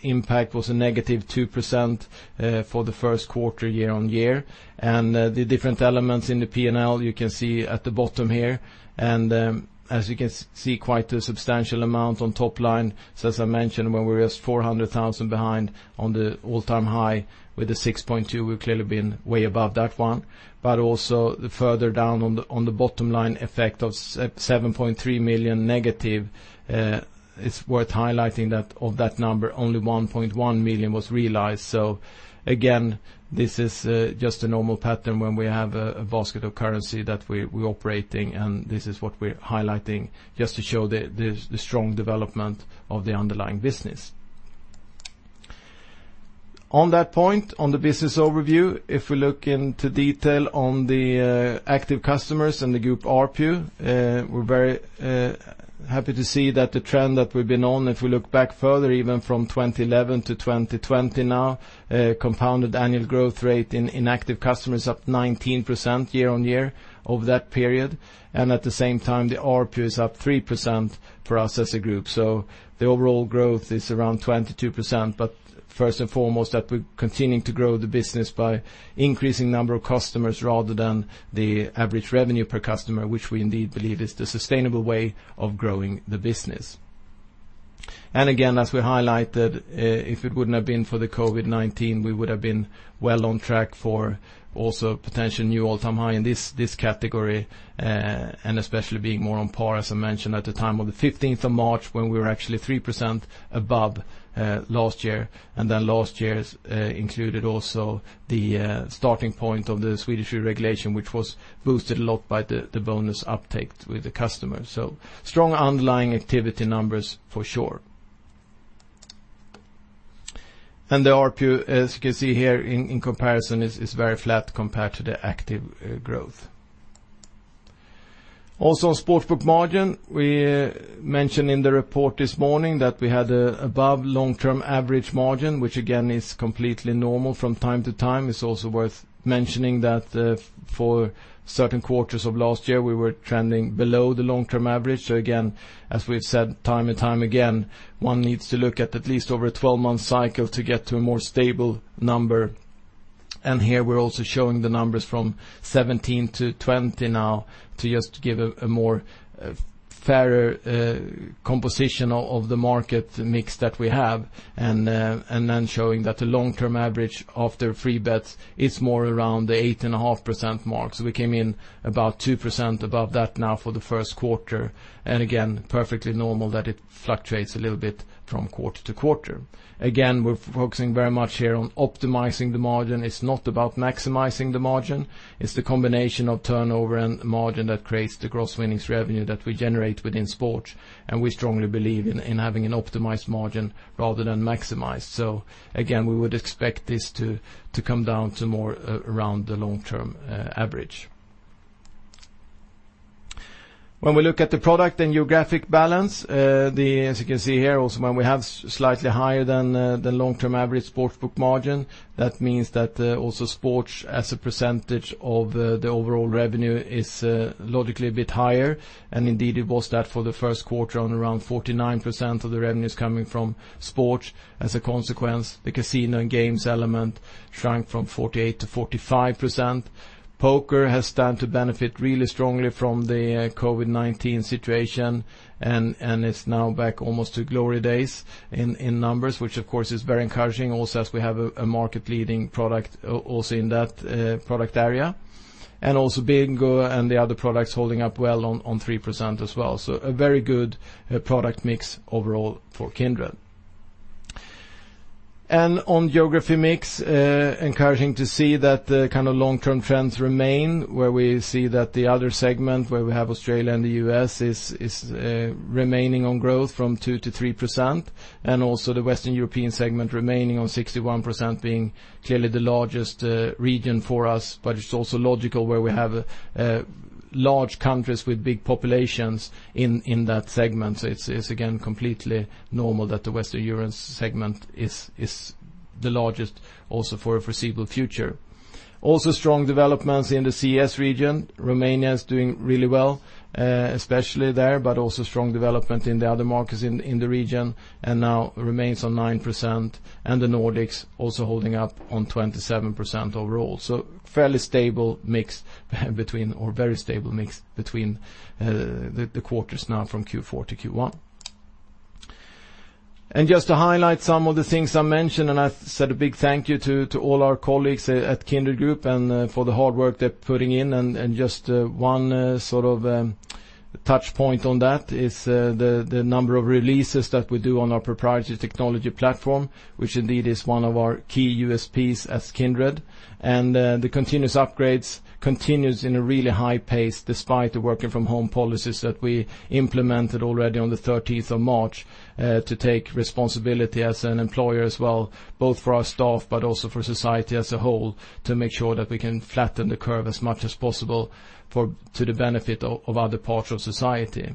impact was a negative 2% for the first quarter year-on-year. The different elements in the P&L you can see at the bottom here. As you can see, quite a substantial amount on top line. As I mentioned, when we were just 400,000 behind on the all-time high with the 6.2, we've clearly been way above that one. Also further down on the bottom line effect of 7.3 million negative, it's worth highlighting that of that number, only 1.1 million was realized. Again, this is just a normal pattern when we have a basket of currency that we're operating, and this is what we're highlighting just to show the strong development of the underlying business. On that point, on the business overview, if we look into detail on the active customers and the group ARPU, we're very happy to see that the trend that we've been on, if we look back further, even from 2011-2020 now, compounded annual growth rate in active customers up 19% year-on-year over that period. At the same time, the ARPU is up 3% for us as a group. The overall growth is around 22%, but first and foremost, that we're continuing to grow the business by increasing number of customers rather than the average revenue per customer, which we indeed believe is the sustainable way of growing the business. Again, as we highlighted, if it wouldn't have been for the COVID-19, we would have been well on track for also a potential new all-time high in this category, and especially being more on par, as I mentioned at the time of the 15th of March, when we were actually 3% above last year. Last year's included also the starting point of the Swedish regulation, which was boosted a lot by the bonus uptake with the customer. Strong underlying activity numbers for sure. The ARPU, as you can see here in comparison, is very flat compared to the active growth. Sports book margin, we mentioned in the report this morning that we had above long-term average margin, which again, is completely normal from time to time. It's also worth mentioning that for certain quarters of last year, we were trending below the long-term average. Again, as we've said time and time again, one needs to look at at least over a 12-month cycle to get to a more stable number. Here we're also showing the numbers from 2017-2020 now to just give a more fairer composition of the market mix that we have, and then showing that the long-term average after free bets is more around the 8.5% mark. We came in about 2% above that now for the first quarter, and again, perfectly normal that it fluctuates a little bit from quarter to quarter. Again, we're focusing very much here on optimizing the margin. It's not about maximizing the margin. It's the combination of turnover and margin that creates the gross winnings revenue that we generate within sports, and we strongly believe in having an optimized margin rather than maximized. Again, we would expect this to come down to more around the long-term average. When we look at the product and geographic balance, as you can see here, also when we have slightly higher than the long-term average sports book margin, that means that also sports as a percentage of the overall revenue is logically a bit higher. Indeed, it was that for the first quarter on around 49% of the revenues coming from sports. As a consequence, the casino and games element shrank from 48%-45%. Poker has stand to benefit really strongly from the COVID-19 situation and is now back almost to glory days in numbers, which of course is very encouraging. Also, as we have a market leading product also in that product area. Also, bingo and the other products holding up well on 3% as well. A very good product mix overall for Kindred. On geography mix, encouraging to see that the kind of long-term trends remain, where we see that the other segment where we have Australia and the U.S. is remaining on growth from 2%-3%, and also the Western European segment remaining on 61%, being clearly the largest region for us. It's also logical where we have large countries with big populations in that segment. It's again, completely normal that the Western European segment is the largest also for a foreseeable future. Also strong developments in the CES region. Romania is doing really well, especially there, but also strong development in the other markets in the region, and now remains on 9%, and the Nordics also holding up on 27% overall. Fairly stable mix between, or very stable mix between the quarters now from Q4-Q1. Just to highlight some of the things I mentioned, and I said a big thank you to all our colleagues at Kindred Group and for the hard work they're putting in. Just one sort of touch point on that is the number of releases that we do on our proprietary technology platform, which indeed is one of our key USPs as Kindred. The continuous upgrades continues in a really high pace despite the working from home policies that we implemented already on the 13th of March to take responsibility as an employer as well, both for our staff, but also for society as a whole, to make sure that we can flatten the curve as much as possible to the benefit of other parts of society.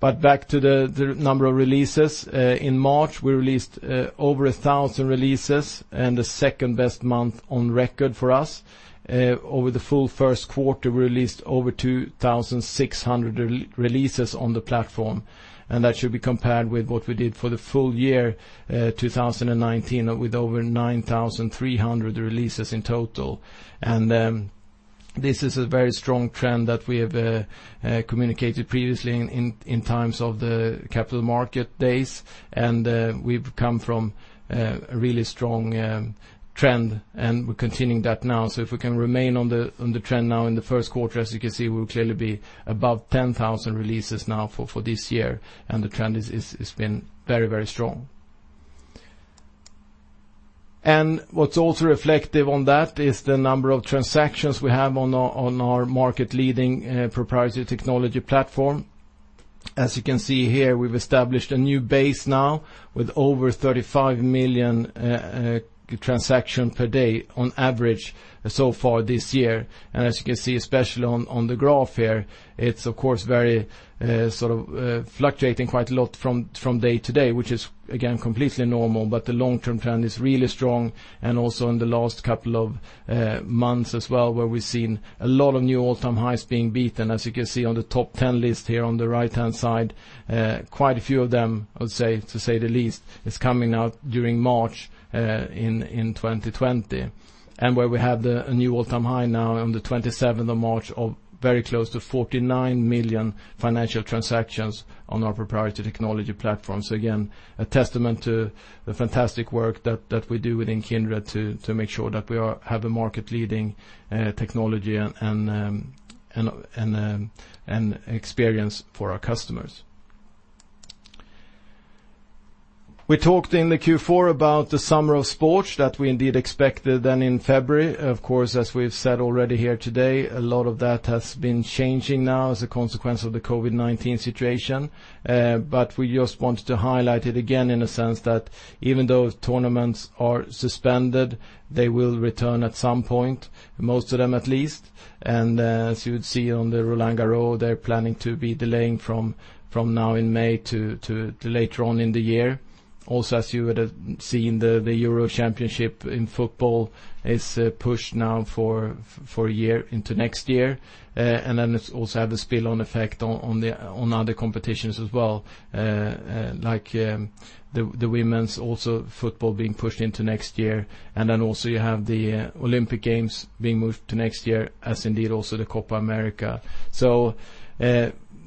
Back to the number of releases. In March, we released over 1,000 releases and the second-best month on record for us. Over the full first quarter, we released over 2,600 releases on the platform. That should be compared with what we did for the full year 2019, with over 9,300 releases in total. This is a very strong trend that we have communicated previously in times of the capital market days. We've come from a really strong trend, and we're continuing that now. If we can remain on the trend now in the first quarter, as you can see, we'll clearly be above 10,000 releases now for this year, and the trend has been very strong. What's also reflective on that is the number of transactions we have on our market-leading proprietary technology platform. As you can see here, we've established a new base now with over 35 million transactions per day on average so far this year. As you can see, especially on the graph here, it's of course very fluctuating quite a lot from day to day, which is again, completely normal, but the long-term trend is really strong and also in the last couple of months as well, where we've seen a lot of new all-time highs being beaten. As you can see on the top 10 list here on the right-hand side, quite a few of them, I would say, to say the least, is coming out during March in 2020, where we have the new all-time high now on the 27th of March of very close to 49 million financial transactions on our proprietary technology platform. Again, a testament to the fantastic work that we do within Kindred to make sure that we have a market-leading technology and experience for our customers. We talked in the Q4 about the summer of sports that we indeed expected. In February, of course, as we've said already here today, a lot of that has been changing now as a consequence of the COVID-19 situation. We just wanted to highlight it again in a sense that even though tournaments are suspended, they will return at some point, most of them at least. As you would see on the Roland-Garros, they're planning to be delaying from now in May to later on in the year. Also, as you would have seen, the Euro championship in football is pushed now for a year into next year. It also had a spill-on effect on other competitions as well, like the women's also football being pushed into next year. Also you have the Olympic Games being moved to next year as indeed also the Copa América.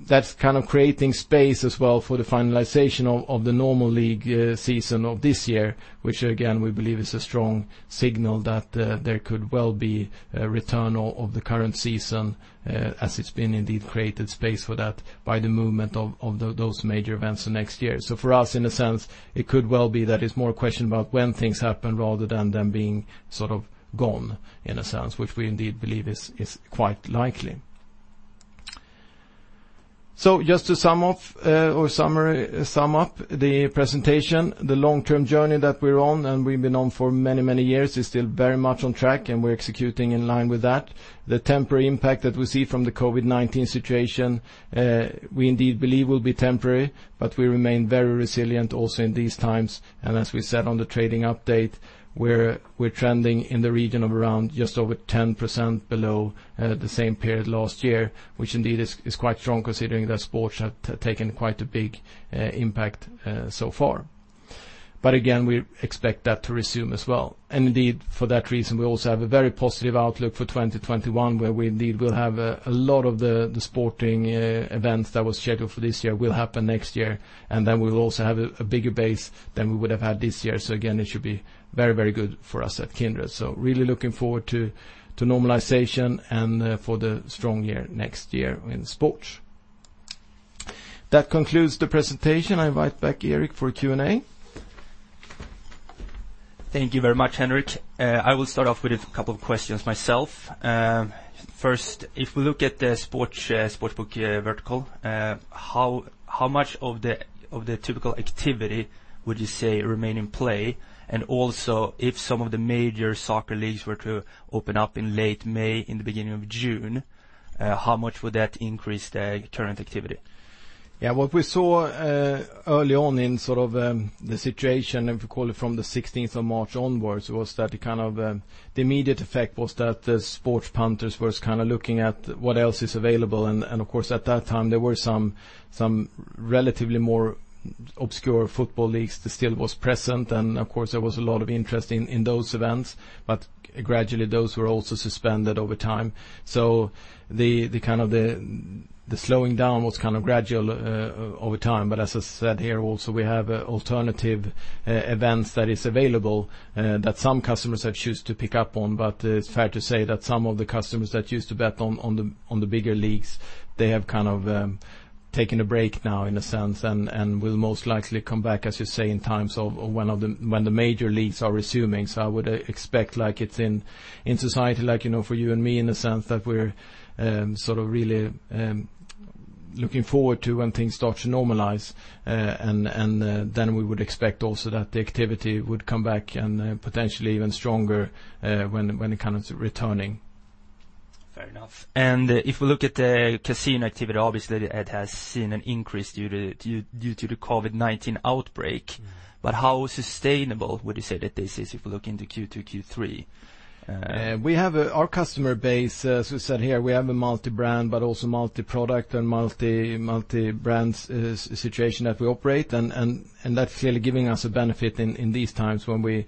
That's kind of creating space as well for the finalization of the normal league season of this year, which again, we believe is a strong signal that there could well be a return of the current season as it's been indeed created space for that by the movement of those major events next year. For us, in a sense, it could well be that it's more a question about when things happen rather than them being sort of gone, in a sense, which we indeed believe is quite likely. Just to sum up the presentation, the long-term journey that we're on and we've been on for many, many years is still very much on track and we're executing in line with that. The temporary impact that we see from the COVID-19 situation, we indeed believe will be temporary, but we remain very resilient also in these times. As we said on the trading update, we're trending in the region of around just over 10% below the same period last year, which indeed is quite strong considering that sports have taken quite a big impact so far. Again, we expect that to resume as well. For that reason, we also have a very positive outlook for 2021, where we indeed will have a lot of the sporting events that was scheduled for this year will happen next year, and then we'll also have a bigger base than we would have had this year. Again, it should be very good for us at Kindred. Really looking forward to normalization and for the strong year next year in sports. That concludes the presentation. I invite back Erik for Q&A. Thank you very much, Henrik. I will start off with a couple of questions myself. First, if we look at the sports book vertical, how much of the typical activity would you say remain in play? Also, if some of the major soccer leagues were to open up in late May, in the beginning of June, how much would that increase the current activity? What we saw early on in the situation, if you call it from the 16th of March onwards, was that the immediate effect was that the sports punters were looking at what else is available, and of course, at that time, there were some relatively more obscure football leagues that still were present. Of course, there was a lot of interest in those events. Gradually, those were also suspended over time. The slowing down was gradual over time. As I said here, also we have alternative events that are available that some customers have chosen to pick up on. It's fair to say that some of the customers that used to bet on the bigger leagues have taken a break now, in a sense, and will most likely come back, as you say, in time when the major leagues are resuming. I would expect it's in society like for you and me, in a sense, that we're really looking forward to when things start to normalize. We would expect also that the activity would come back and potentially even stronger when it comes to returning. Fair enough. If we look at the casino activity, obviously it has seen an increase due to the COVID-19 outbreak. How sustainable would you say that this is if we look into Q2, Q3? Our customer base, as we said here, we have a multi-brand, but also multi-product and multi-brand situation that we operate, and that's clearly giving us a benefit in these times when we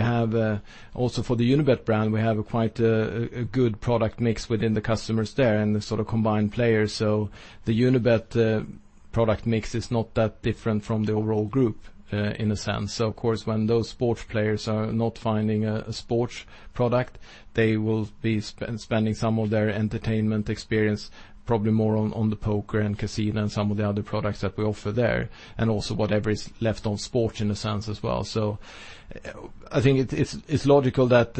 have, also for the Unibet brand, we have quite a good product mix within the customers there and the sort of combined players. The Unibet product mix is not that different from the overall group, in a sense. Of course, when those sports players are not finding a sports product, they will be spending some of their entertainment experience probably more on the poker and casino and some of the other products that we offer there, and also whatever is left on sports in a sense as well. I think it's logical that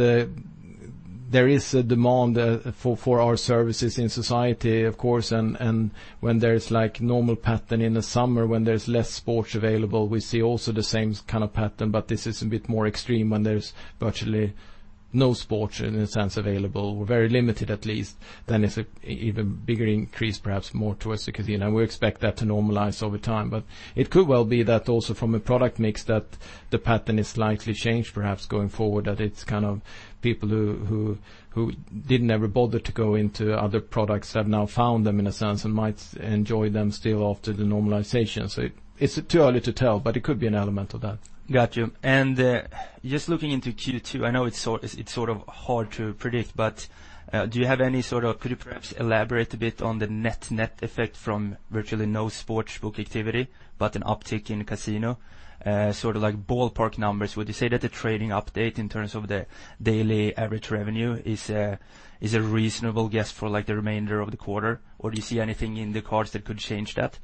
there is a demand for our services in society, of course, and when there is normal pattern in the summer when there's less sports available, we see also the same kind of pattern, but this is a bit more extreme when there's virtually no sports, in a sense, available, very limited at least, then it's an even bigger increase, perhaps more towards the casino. We expect that to normalize over time. It could well be that also from a product mix, that the pattern is slightly changed, perhaps going forward, that it's kind of people who didn't ever bother to go into other products have now found them, in a sense, and might enjoy them still after the normalization. It's too early to tell, but it could be an element of that. Got you. Just looking into Q2, I know it's sort of hard to predict, but could you perhaps elaborate a bit on the net effect from virtually no sportsbook activity but an uptick in casino, sort of like ballpark numbers? Would you say that the trading update in terms of the daily average revenue is a reasonable guess for the remainder of the quarter? Do you see anything in the cards that could change that?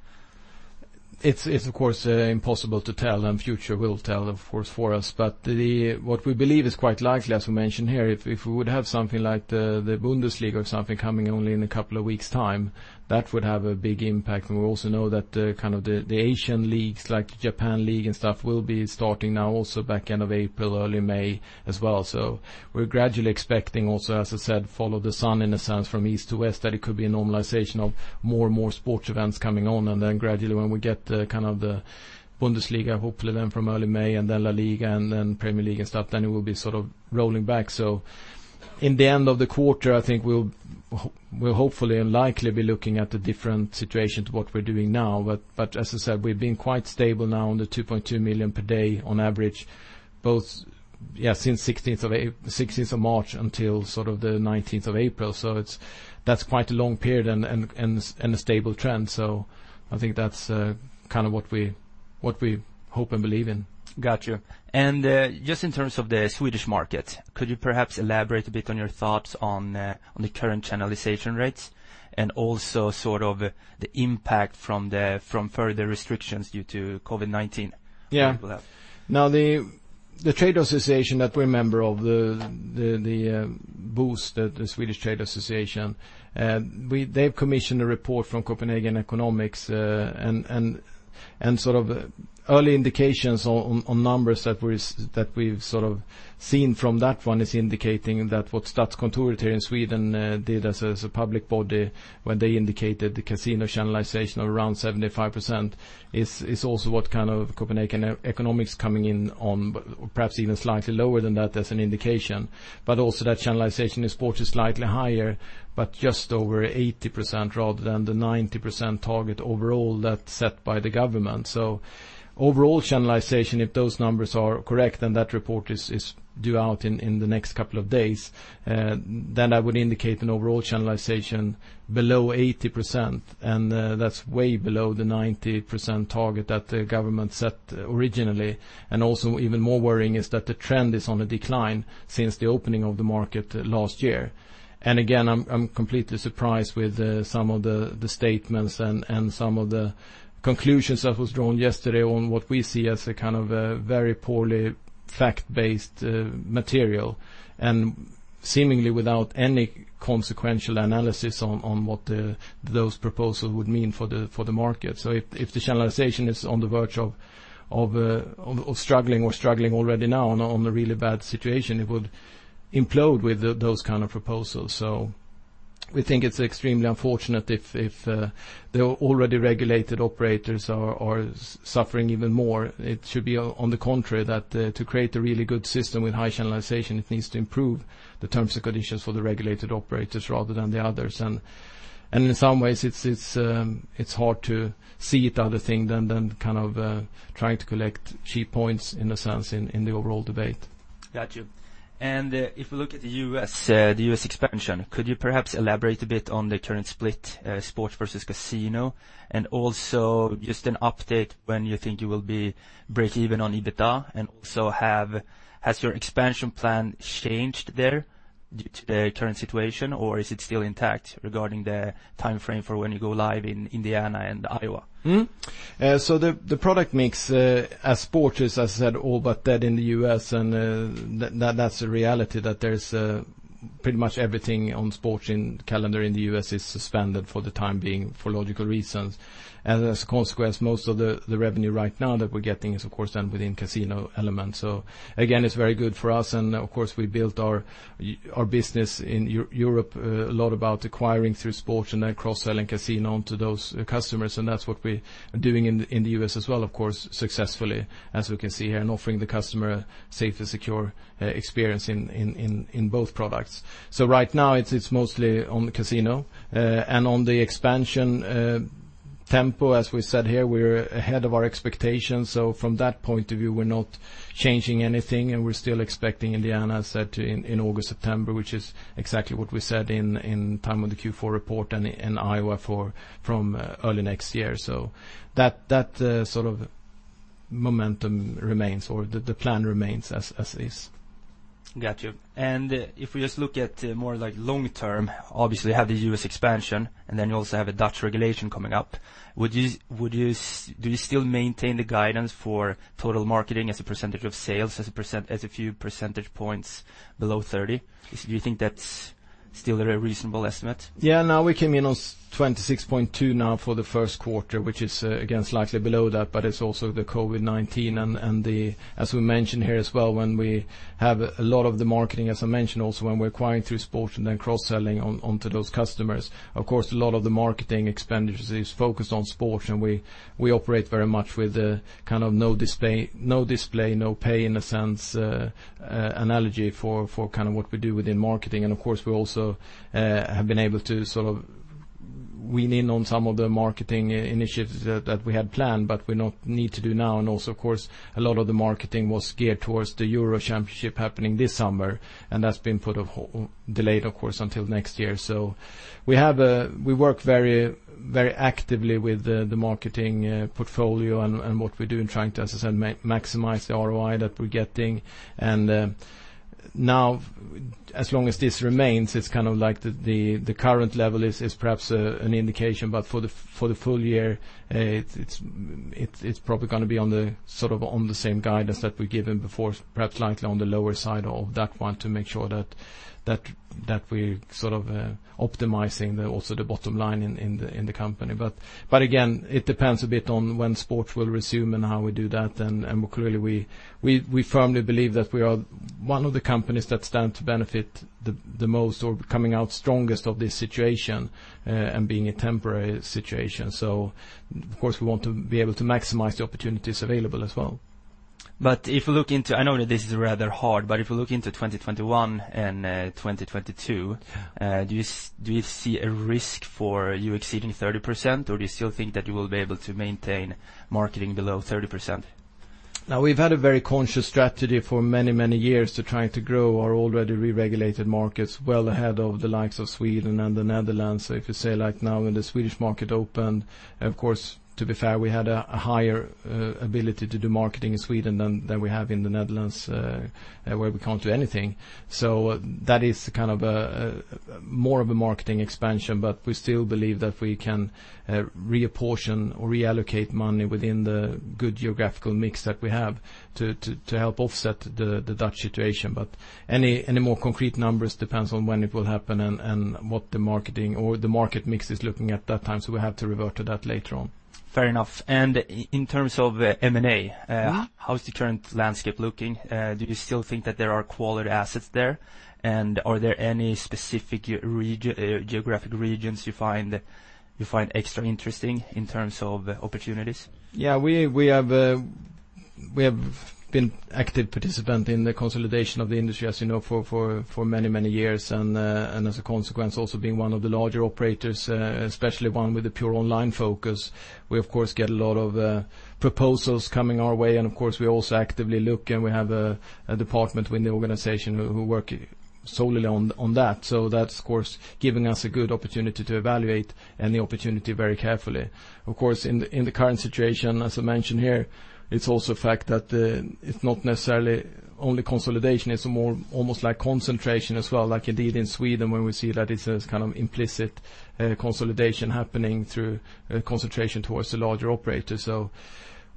It's of course impossible to tell, and future will tell, of course, for us. What we believe is quite likely, as we mentioned here, if we would have something like the Bundesliga or something coming only in a couple of weeks' time, that would have a big impact. We also know that the Asian leagues, like Japan league and stuff, will be starting now also back end of April, early May as well. We're gradually expecting also, as I said, follow the sun, in a sense, from east to west, that it could be a normalization of more and more sports events coming on. Then gradually when we get the Bundesliga, hopefully then from early May and then La Liga and then Premier League and stuff, then it will be sort of rolling back. In the end of the quarter, I think we'll hopefully and likely be looking at a different situation to what we're doing now. As I said, we've been quite stable now on the 2.2 million per day on average, both since 16th of March until sort of the 19th of April. That's quite a long period and a stable trend. I think that's kind of what we hope and believe in. Got you. Just in terms of the Swedish market, could you perhaps elaborate a bit on your thoughts on the current channelization rates and also sort of the impact from further restrictions due to COVID-19 that people have? Yeah. The trade association that we're a member of, the BOS, the Swedish Trade Association, they've commissioned a report from Copenhagen Economics, and sort of early indications on numbers that we've sort of seen from that one is indicating that what Statskontoret here in Sweden did as a public body when they indicated the casino channelization of around 75%, is also what kind of Copenhagen Economics coming in on, perhaps even slightly lower than that as an indication. Also that channelization in sports is slightly higher, just over 80% rather than the 90% target overall that's set by the government. Overall channelization, if those numbers are correct, and that report is due out in the next couple of days, then that would indicate an overall channelization below 80%, and that's way below the 90% target that the government set originally, and also even more worrying is that the trend is on a decline since the opening of the market last year. Again, I'm completely surprised with some of the statements and some of the conclusions that was drawn yesterday on what we see as a kind of a very poorly fact-based material, and seemingly without any consequential analysis on what those proposals would mean for the market. If the channelization is on the verge of struggling or struggling already now on a really bad situation, it would implode with those kind of proposals. We think it's extremely unfortunate if the already regulated operators are suffering even more. It should be on the contrary, that to create a really good system with high channelization, it needs to improve the terms and conditions for the regulated operators rather than the others. In some ways, it's hard to see it other thing than kind of trying to collect cheap points in a sense in the overall debate. Got you. If we look at the U.S. expansion, could you perhaps elaborate a bit on the current split, sport versus casino? Also just an update when you think you will be break even on EBITDA, and also has your expansion plan changed there due to the current situation, or is it still intact regarding the timeframe for when you go live in Indiana and Iowa? The product mix as sport is, as I said, all but dead in the U.S. and that's the reality that there's pretty much everything on sports in calendar in the U.S. is suspended for the time being for logical reasons. As a consequence, most of the revenue right now that we're getting is of course then within casino elements. Again, it's very good for us and of course, we built our business in Europe, a lot about acquiring through sport and then cross-selling casino onto those customers. That's what we are doing in the U.S. as well, of course, successfully as we can see here, and offering the customer a safe and secure experience in both products. Right now it's mostly on the casino, and on the expansion tempo, as we said here, we're ahead of our expectations. From that point of view, we're not changing anything and we're still expecting Indiana set in August, September, which is exactly what we said in time of the Q4 report and in Iowa from early next year. That sort of momentum remains or the plan remains as is. Got you. If we just look at more long term, obviously have the U.S. expansion and then you also have a Dutch regulation coming up. Do you still maintain the guidance for total marketing as a percentage of sales as a few percentage points below 30%? Do you think that's still a reasonable estimate? We came in on 26.2 for the first quarter, which is again slightly below that. It's also the COVID-19, as we mentioned here as well, when we have a lot of the marketing, as I mentioned, also when we're acquiring through sport and then cross-selling onto those customers. Of course, a lot of the marketing expenditures is focused on sport and we operate very much with kind of no display, no pay in a sense, analogy for kind of what we do within marketing. Of course, we also have been able to sort of wean in on some of the marketing initiatives that we had planned, but we not need to do now. Also, of course, a lot of the marketing was geared towards the Euro championship happening this summer, and that's been delayed, of course, until next year. We work very actively with the marketing portfolio and what we do in trying to, as I said, maximize the ROI that we're getting. Now as long as this remains, it's kind of like the current level is perhaps an indication, but for the full year, it's probably going to be on the same guidance that we've given before, perhaps slightly on the lower side of that one to make sure that we're sort of optimizing also the bottom line in the company. Again, it depends a bit on when sport will resume and how we do that. Clearly we firmly believe that we are one of the companies that stand to benefit the most or coming out strongest of this situation, and being a temporary situation. Of course, we want to be able to maximize the opportunities available as well. If you look into, I know that this is rather hard, but if you look into 2021 and 2022, do you see a risk for you exceeding 30%, or do you still think that you will be able to maintain marketing below 30%? We've had a very conscious strategy for many, many years to try to grow our already regulated markets well ahead of the likes of Sweden and the Netherlands. If you say like now when the Swedish market opened, of course, to be fair, we had a higher ability to do marketing in Sweden than we have in the Netherlands, where we can't do anything. That is kind of more of a marketing expansion, but we still believe that we can reapportion or reallocate money within the good geographical mix that we have to help offset the Dutch situation. Any more concrete numbers depends on when it will happen and what the marketing or the market mix is looking at that time. We have to revert to that later on. Fair enough. In terms of M&A Yeah. How's the current landscape looking? Do you still think that there are quality assets there? Are there any specific geographic regions you find extra interesting in terms of opportunities? Yeah, we have been active participant in the consolidation of the industry, as you know, for many, many years. As a consequence, also being one of the larger operators, especially one with a pure online focus, we of course get a lot of proposals coming our way. Of course, we also actively look and we have a department within the organization who work solely on that. That's of course giving us a good opportunity to evaluate any opportunity very carefully. Of course, in the current situation, as I mentioned here, it's also a fact that it's not necessarily only consolidation, it's almost like concentration as well, like indeed in Sweden when we see that it's a kind of implicit consolidation happening through concentration towards the larger operator.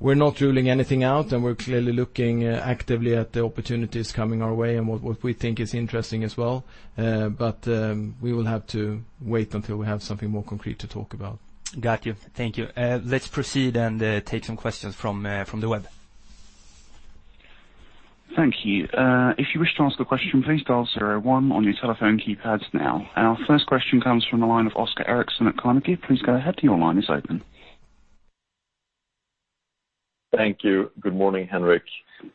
We're not ruling anything out, and we're clearly looking actively at the opportunities coming our way and what we think is interesting as well. We will have to wait until we have something more concrete to talk about. Got you. Thank you. Let's proceed and take some questions from the web. Thank you. If you wish to ask the question, please dial zero one on your telephone keypads now. Our first question comes from the line of Oscar Erixon at Carnegie. Please go ahead. Your line is open. Thank you. Good morning, Henrik.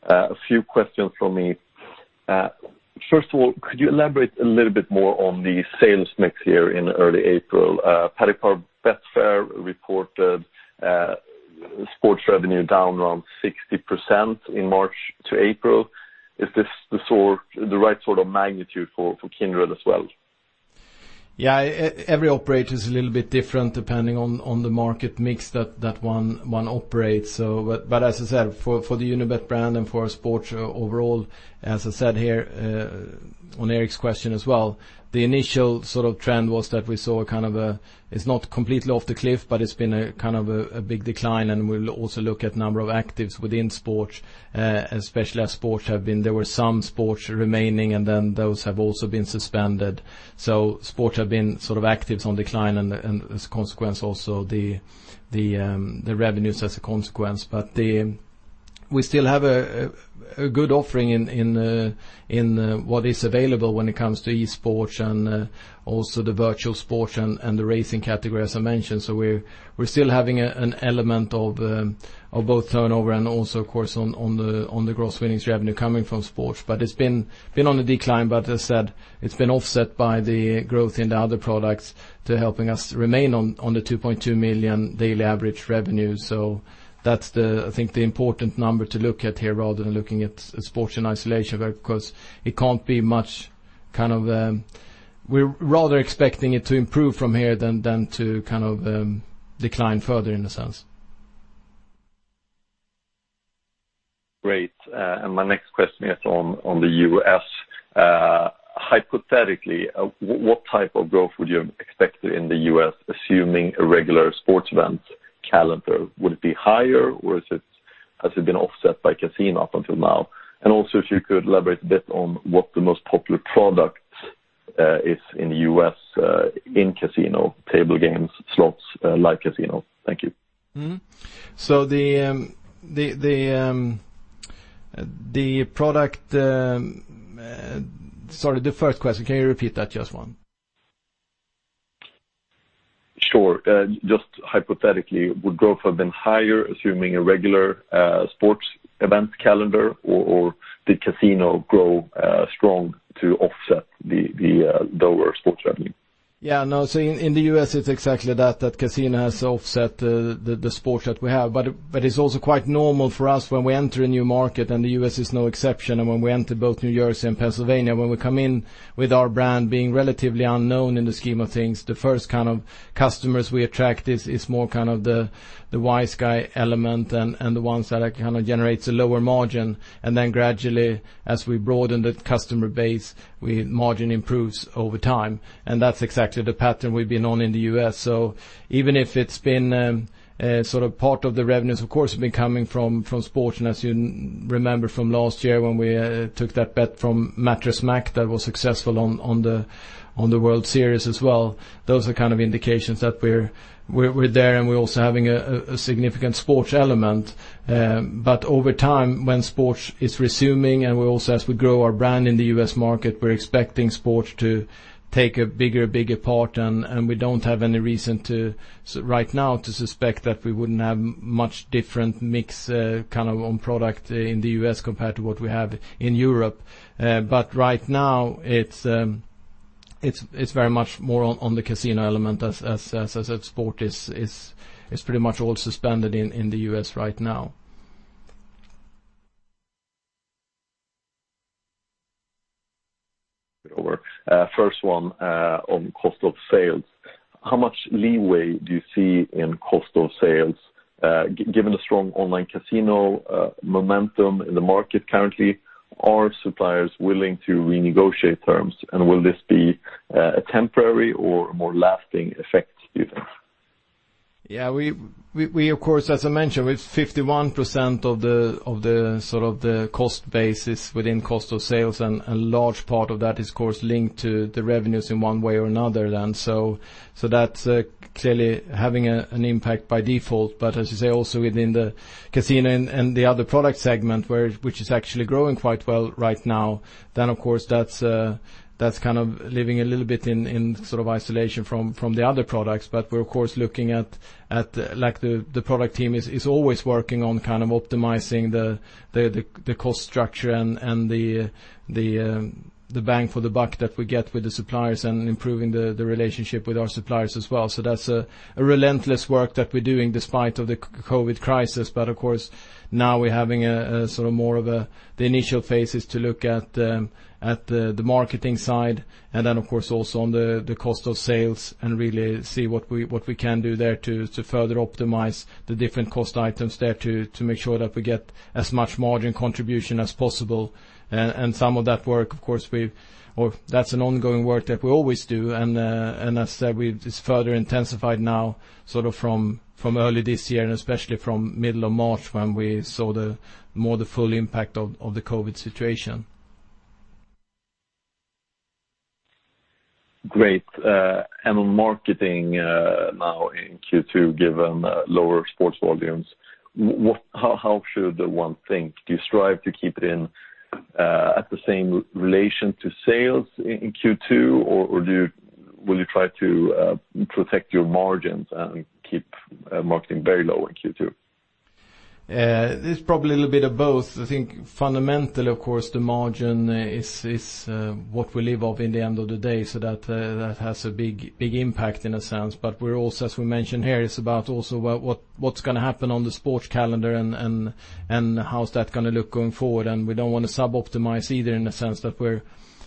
A few questions from me. First of all, could you elaborate a little bit more on the sales mix here in early April? Paddy Power Betfair reported sports revenue down around 60% in March to April. Is this the right sort of magnitude for Kindred as well? Yeah. Every operator is a little bit different depending on the market mix that one operates. As I said, for the Unibet brand and for our sports overall, as I said here on Erik's question as well, the initial trend was that we saw it's not completely off the cliff, but it's been a big decline, and we'll also look at number of actives within sports, especially as sports have been. There were some sports remaining, and then those have also been suspended. Sports have been actives on decline and as a consequence also the revenues as a consequence. We still have a good offering in what is available when it comes to esports and also the virtual sports and the racing category, as I mentioned. We're still having an element of both turnover and also, of course, on the gross winnings revenue coming from sports. It's been on the decline, but as I said, it's been offset by the growth in the other products to helping us remain on the 2.2 million daily average revenue. That's, I think, the important number to look at here, rather than looking at sports in isolation, because we're rather expecting it to improve from here than to decline further in a sense. Great. My next question is on the U.S. Hypothetically, what type of growth would you have expected in the U.S., assuming a regular sports event calendar? Would it be higher, or has it been offset by casino up until now? Also, if you could elaborate a bit on what the most popular product is in the U.S. in casino, table games, slots, live casino. Thank you. Sorry, the first question, can you repeat that just one? Sure. Just hypothetically, would growth have been higher, assuming a regular sports event calendar, or did casino grow strong to offset the lower sports revenue? Yeah. No. In the U.S., it's exactly that casino has offset the sports that we have. It's also quite normal for us when we enter a new market, and the U.S. is no exception. When we entered both New Jersey and Pennsylvania, when we come in with our brand being relatively unknown in the scheme of things, the first kind of customers we attract is more kind of the wise guy element and the ones that kind of generates a lower margin. Then gradually, as we broaden the customer base, margin improves over time. That's exactly the pattern we've been on in the U.S. Even if it's been sort of part of the revenues, of course, have been coming from sports, and as you remember from last year when we took that bet from Jim McIngvale that was successful on the World Series as well. Those are kind of indications that we're there, and we're also having a significant sports element. Over time, when sports is resuming, and also as we grow our brand in the U.S. market, we're expecting sports to take a bigger part, and we don't have any reason right now to suspect that we wouldn't have much different mix kind of on product in the U.S. compared to what we have in Europe. Right now it's very much more on the casino element as sport is pretty much all suspended in the U.S. right now. Over. First one on cost of sales. How much leeway do you see in cost of sales? Given the strong online casino momentum in the market currently, are suppliers willing to renegotiate terms, and will this be a temporary or a more lasting effect, do you think? Yeah. Of course, as I mentioned, with 51% of the sort of the cost basis within cost of sales, and a large part of that is, of course, linked to the revenues in one way or another, then that's clearly having an impact by default. As you say, also within the casino and the other product segment, which is actually growing quite well right now, of course, that's kind of living a little bit in sort of isolation from the other products. We're, of course, looking at. The product team is always working on kind of optimizing the cost structure and the bang for the buck that we get with the suppliers and improving the relationship with our suppliers as well. That's a relentless work that we're doing despite of the COVID crisis. Of course, now we're having a sort of more of the initial phases to look at the marketing side and then, of course, also on the cost of sales and really see what we can do there to further optimize the different cost items there to make sure that we get as much margin contribution as possible. Some of that work, of course, that's an ongoing work that we always do. As I said, it's further intensified now sort of from early this year, and especially from middle of March when we saw more the full impact of the COVID-19 situation. Great. On marketing now in Q2, given lower sports volumes, how should one think? Do you strive to keep it in at the same relation to sales in Q2 or will you try to protect your margins and keep marketing very low in Q2? It's probably a little bit of both. I think fundamentally, of course, the margin is what we live off in the end of the day. That has a big impact in a sense. We're also, as we mentioned here, it's about also what's going to happen on the sports calendar and how is that going to look going forward. We don't want to sub-optimize either in the sense that we're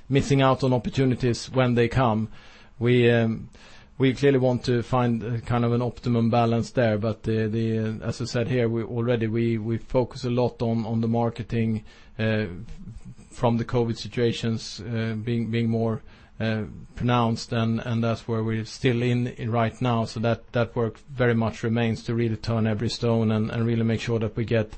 missing out on opportunities when they come. We clearly want to find kind of an optimum balance there. As I said here already, we focus a lot on the marketing from the COVID situations being more pronounced and that's where we're still in right now. That work very much remains to really turn every stone and really make sure that we get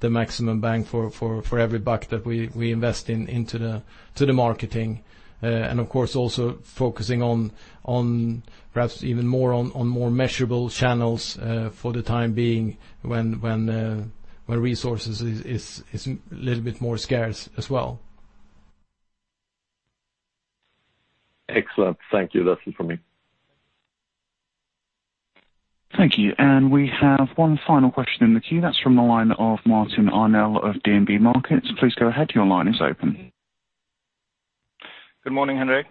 the maximum bang for every buck that we invest into the marketing. Of course, also focusing perhaps even more on measurable channels for the time being when resources is a little bit more scarce as well. Excellent. Thank you. That's it from me. Thank you. We have one final question in the queue. That's from the line of Martin Arnell of DNB Markets. Please go ahead. Your line is open. Good morning, Henrik.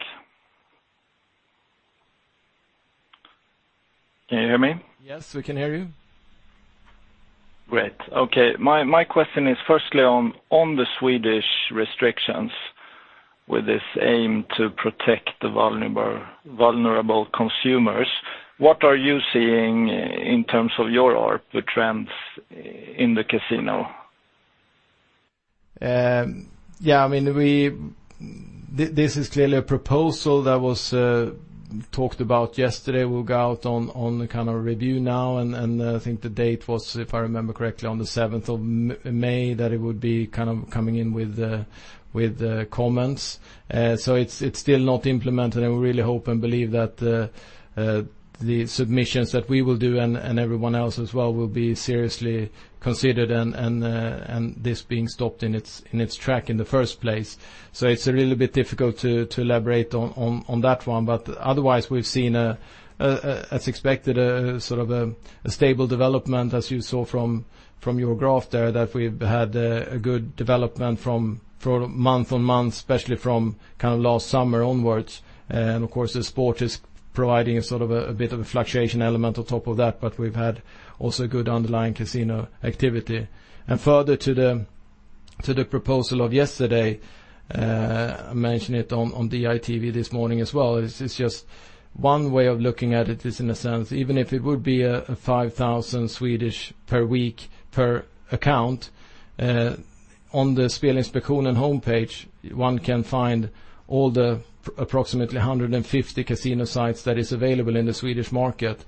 Can you hear me? Yes, we can hear you. Great. Okay. My question is firstly on the Swedish restrictions with this aim to protect the vulnerable consumers. What are you seeing in terms of your trends in the casino? This is clearly a proposal that was talked about yesterday, will go out on a kind of review now, and I think the date was, if I remember correctly, on the 7th of May, that it would be kind of coming in with comments. It's still not implemented, and we really hope and believe that the submissions that we will do, and everyone else as well, will be seriously considered and this being stopped in its track in the first place. It's a little bit difficult to elaborate on that one. Otherwise we've seen, as expected, a sort of a stable development as you saw from your graph there, that we've had a good development from month-on-month, especially from last summer onwards. Of course, the sport is providing a sort of a bit of a fluctuation element on top of that. We've had also good underlying casino activity. Further to the proposal of yesterday, I mentioned it on Di TV this morning as well. It's just one way of looking at it is in a sense, even if it would be a 5,000 per week per account, on the Spelinspektionen homepage, one can find all the approximately 150 casino sites that is available in the Swedish market.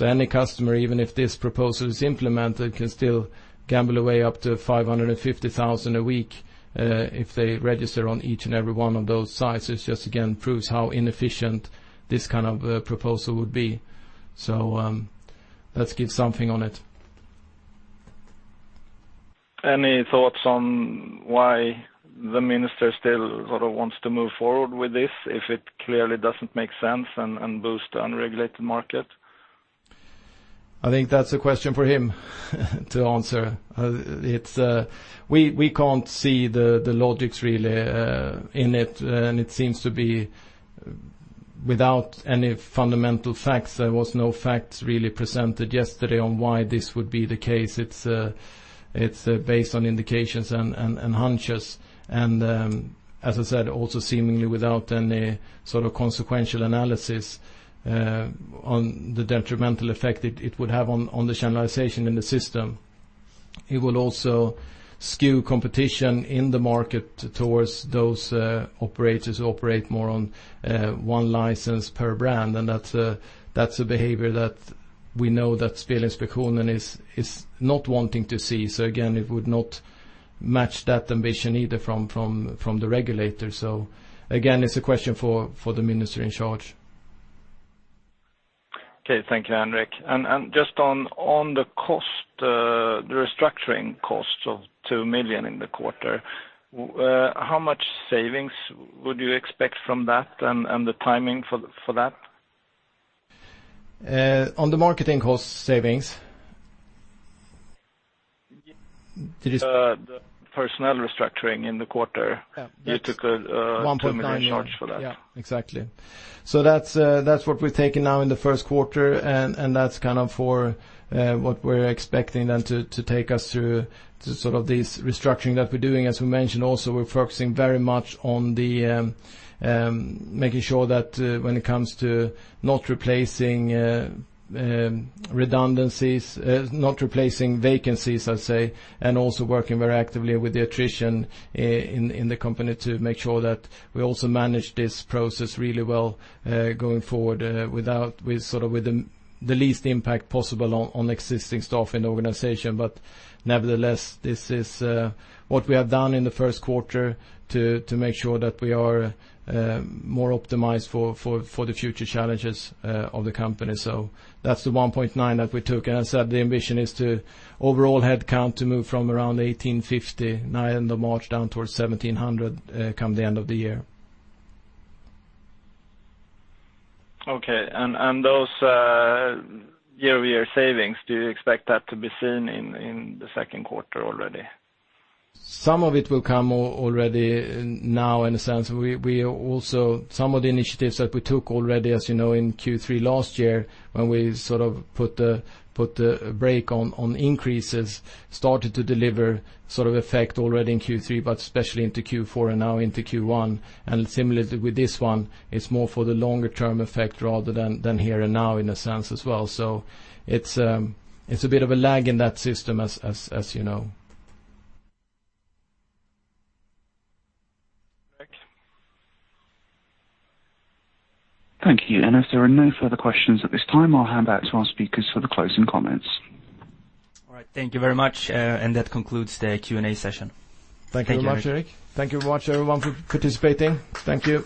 Any customer, even if this proposal is implemented, can still gamble away up to 550,000 a week, if they register on each and every one of those sites. It just again proves how inefficient this kind of proposal would be. Let's give something on it. Any thoughts on why the minister still sort of wants to move forward with this if it clearly doesn't make sense and boost the unregulated market? I think that's a question for him to answer. We can't see the logic really in it, and it seems to be without any fundamental facts. There was no facts really presented yesterday on why this would be the case. It's based on indications and hunches, and as I said, also seemingly without any sort of consequential analysis on the detrimental effect it would have on the channelization in the system. It will also skew competition in the market towards those operators who operate more on one license per brand, and that's a behavior that we know that Spelinspektionen is not wanting to see. Again, it would not match that ambition either from the regulator. Again, it's a question for the minister in charge. Okay, thank you, Henrik. Just on the restructuring cost of 2 million in the quarter, how much savings would you expect from that and the timing for that? On the marketing cost savings? The personnel restructuring in the quarter. Yeah. You took a 2 million charge for that. 1.9, yeah, exactly. That's what we've taken now in the first quarter, and that's kind of for what we're expecting then to take us through to sort of this restructuring that we're doing. As we mentioned also, we're focusing very much on making sure that when it comes to not replacing redundancies, not replacing vacancies, I'd say, and also working very actively with the attrition in the company to make sure that we also manage this process really well going forward with sort of the least impact possible on existing staff in the organization. Nevertheless, this is what we have done in the first quarter to make sure that we are more optimized for the future challenges of the company. That's the 1.9 that we took. As I said, the ambition is to overall headcount to move from around 1,859 end of March down towards 1,700 come the end of the year. Okay. Those year-over-year savings, do you expect that to be seen in the second quarter already? Some of it will come already now in a sense. Some of the initiatives that we took already, as you know, in Q3 last year, when we sort of put the brake on increases, started to deliver sort of effect already in Q3, but especially into Q4 and now into Q1. Similarly with this one, it's more for the longer term effect rather than here and now in a sense as well. It's a bit of a lag in that system as you know. Thank you. If there are no further questions at this time, I'll hand back to our speakers for the closing comments. All right. Thank you very much. That concludes the Q&A session. Thank you very much, Erik. Thank you very much everyone for participating. Thank you.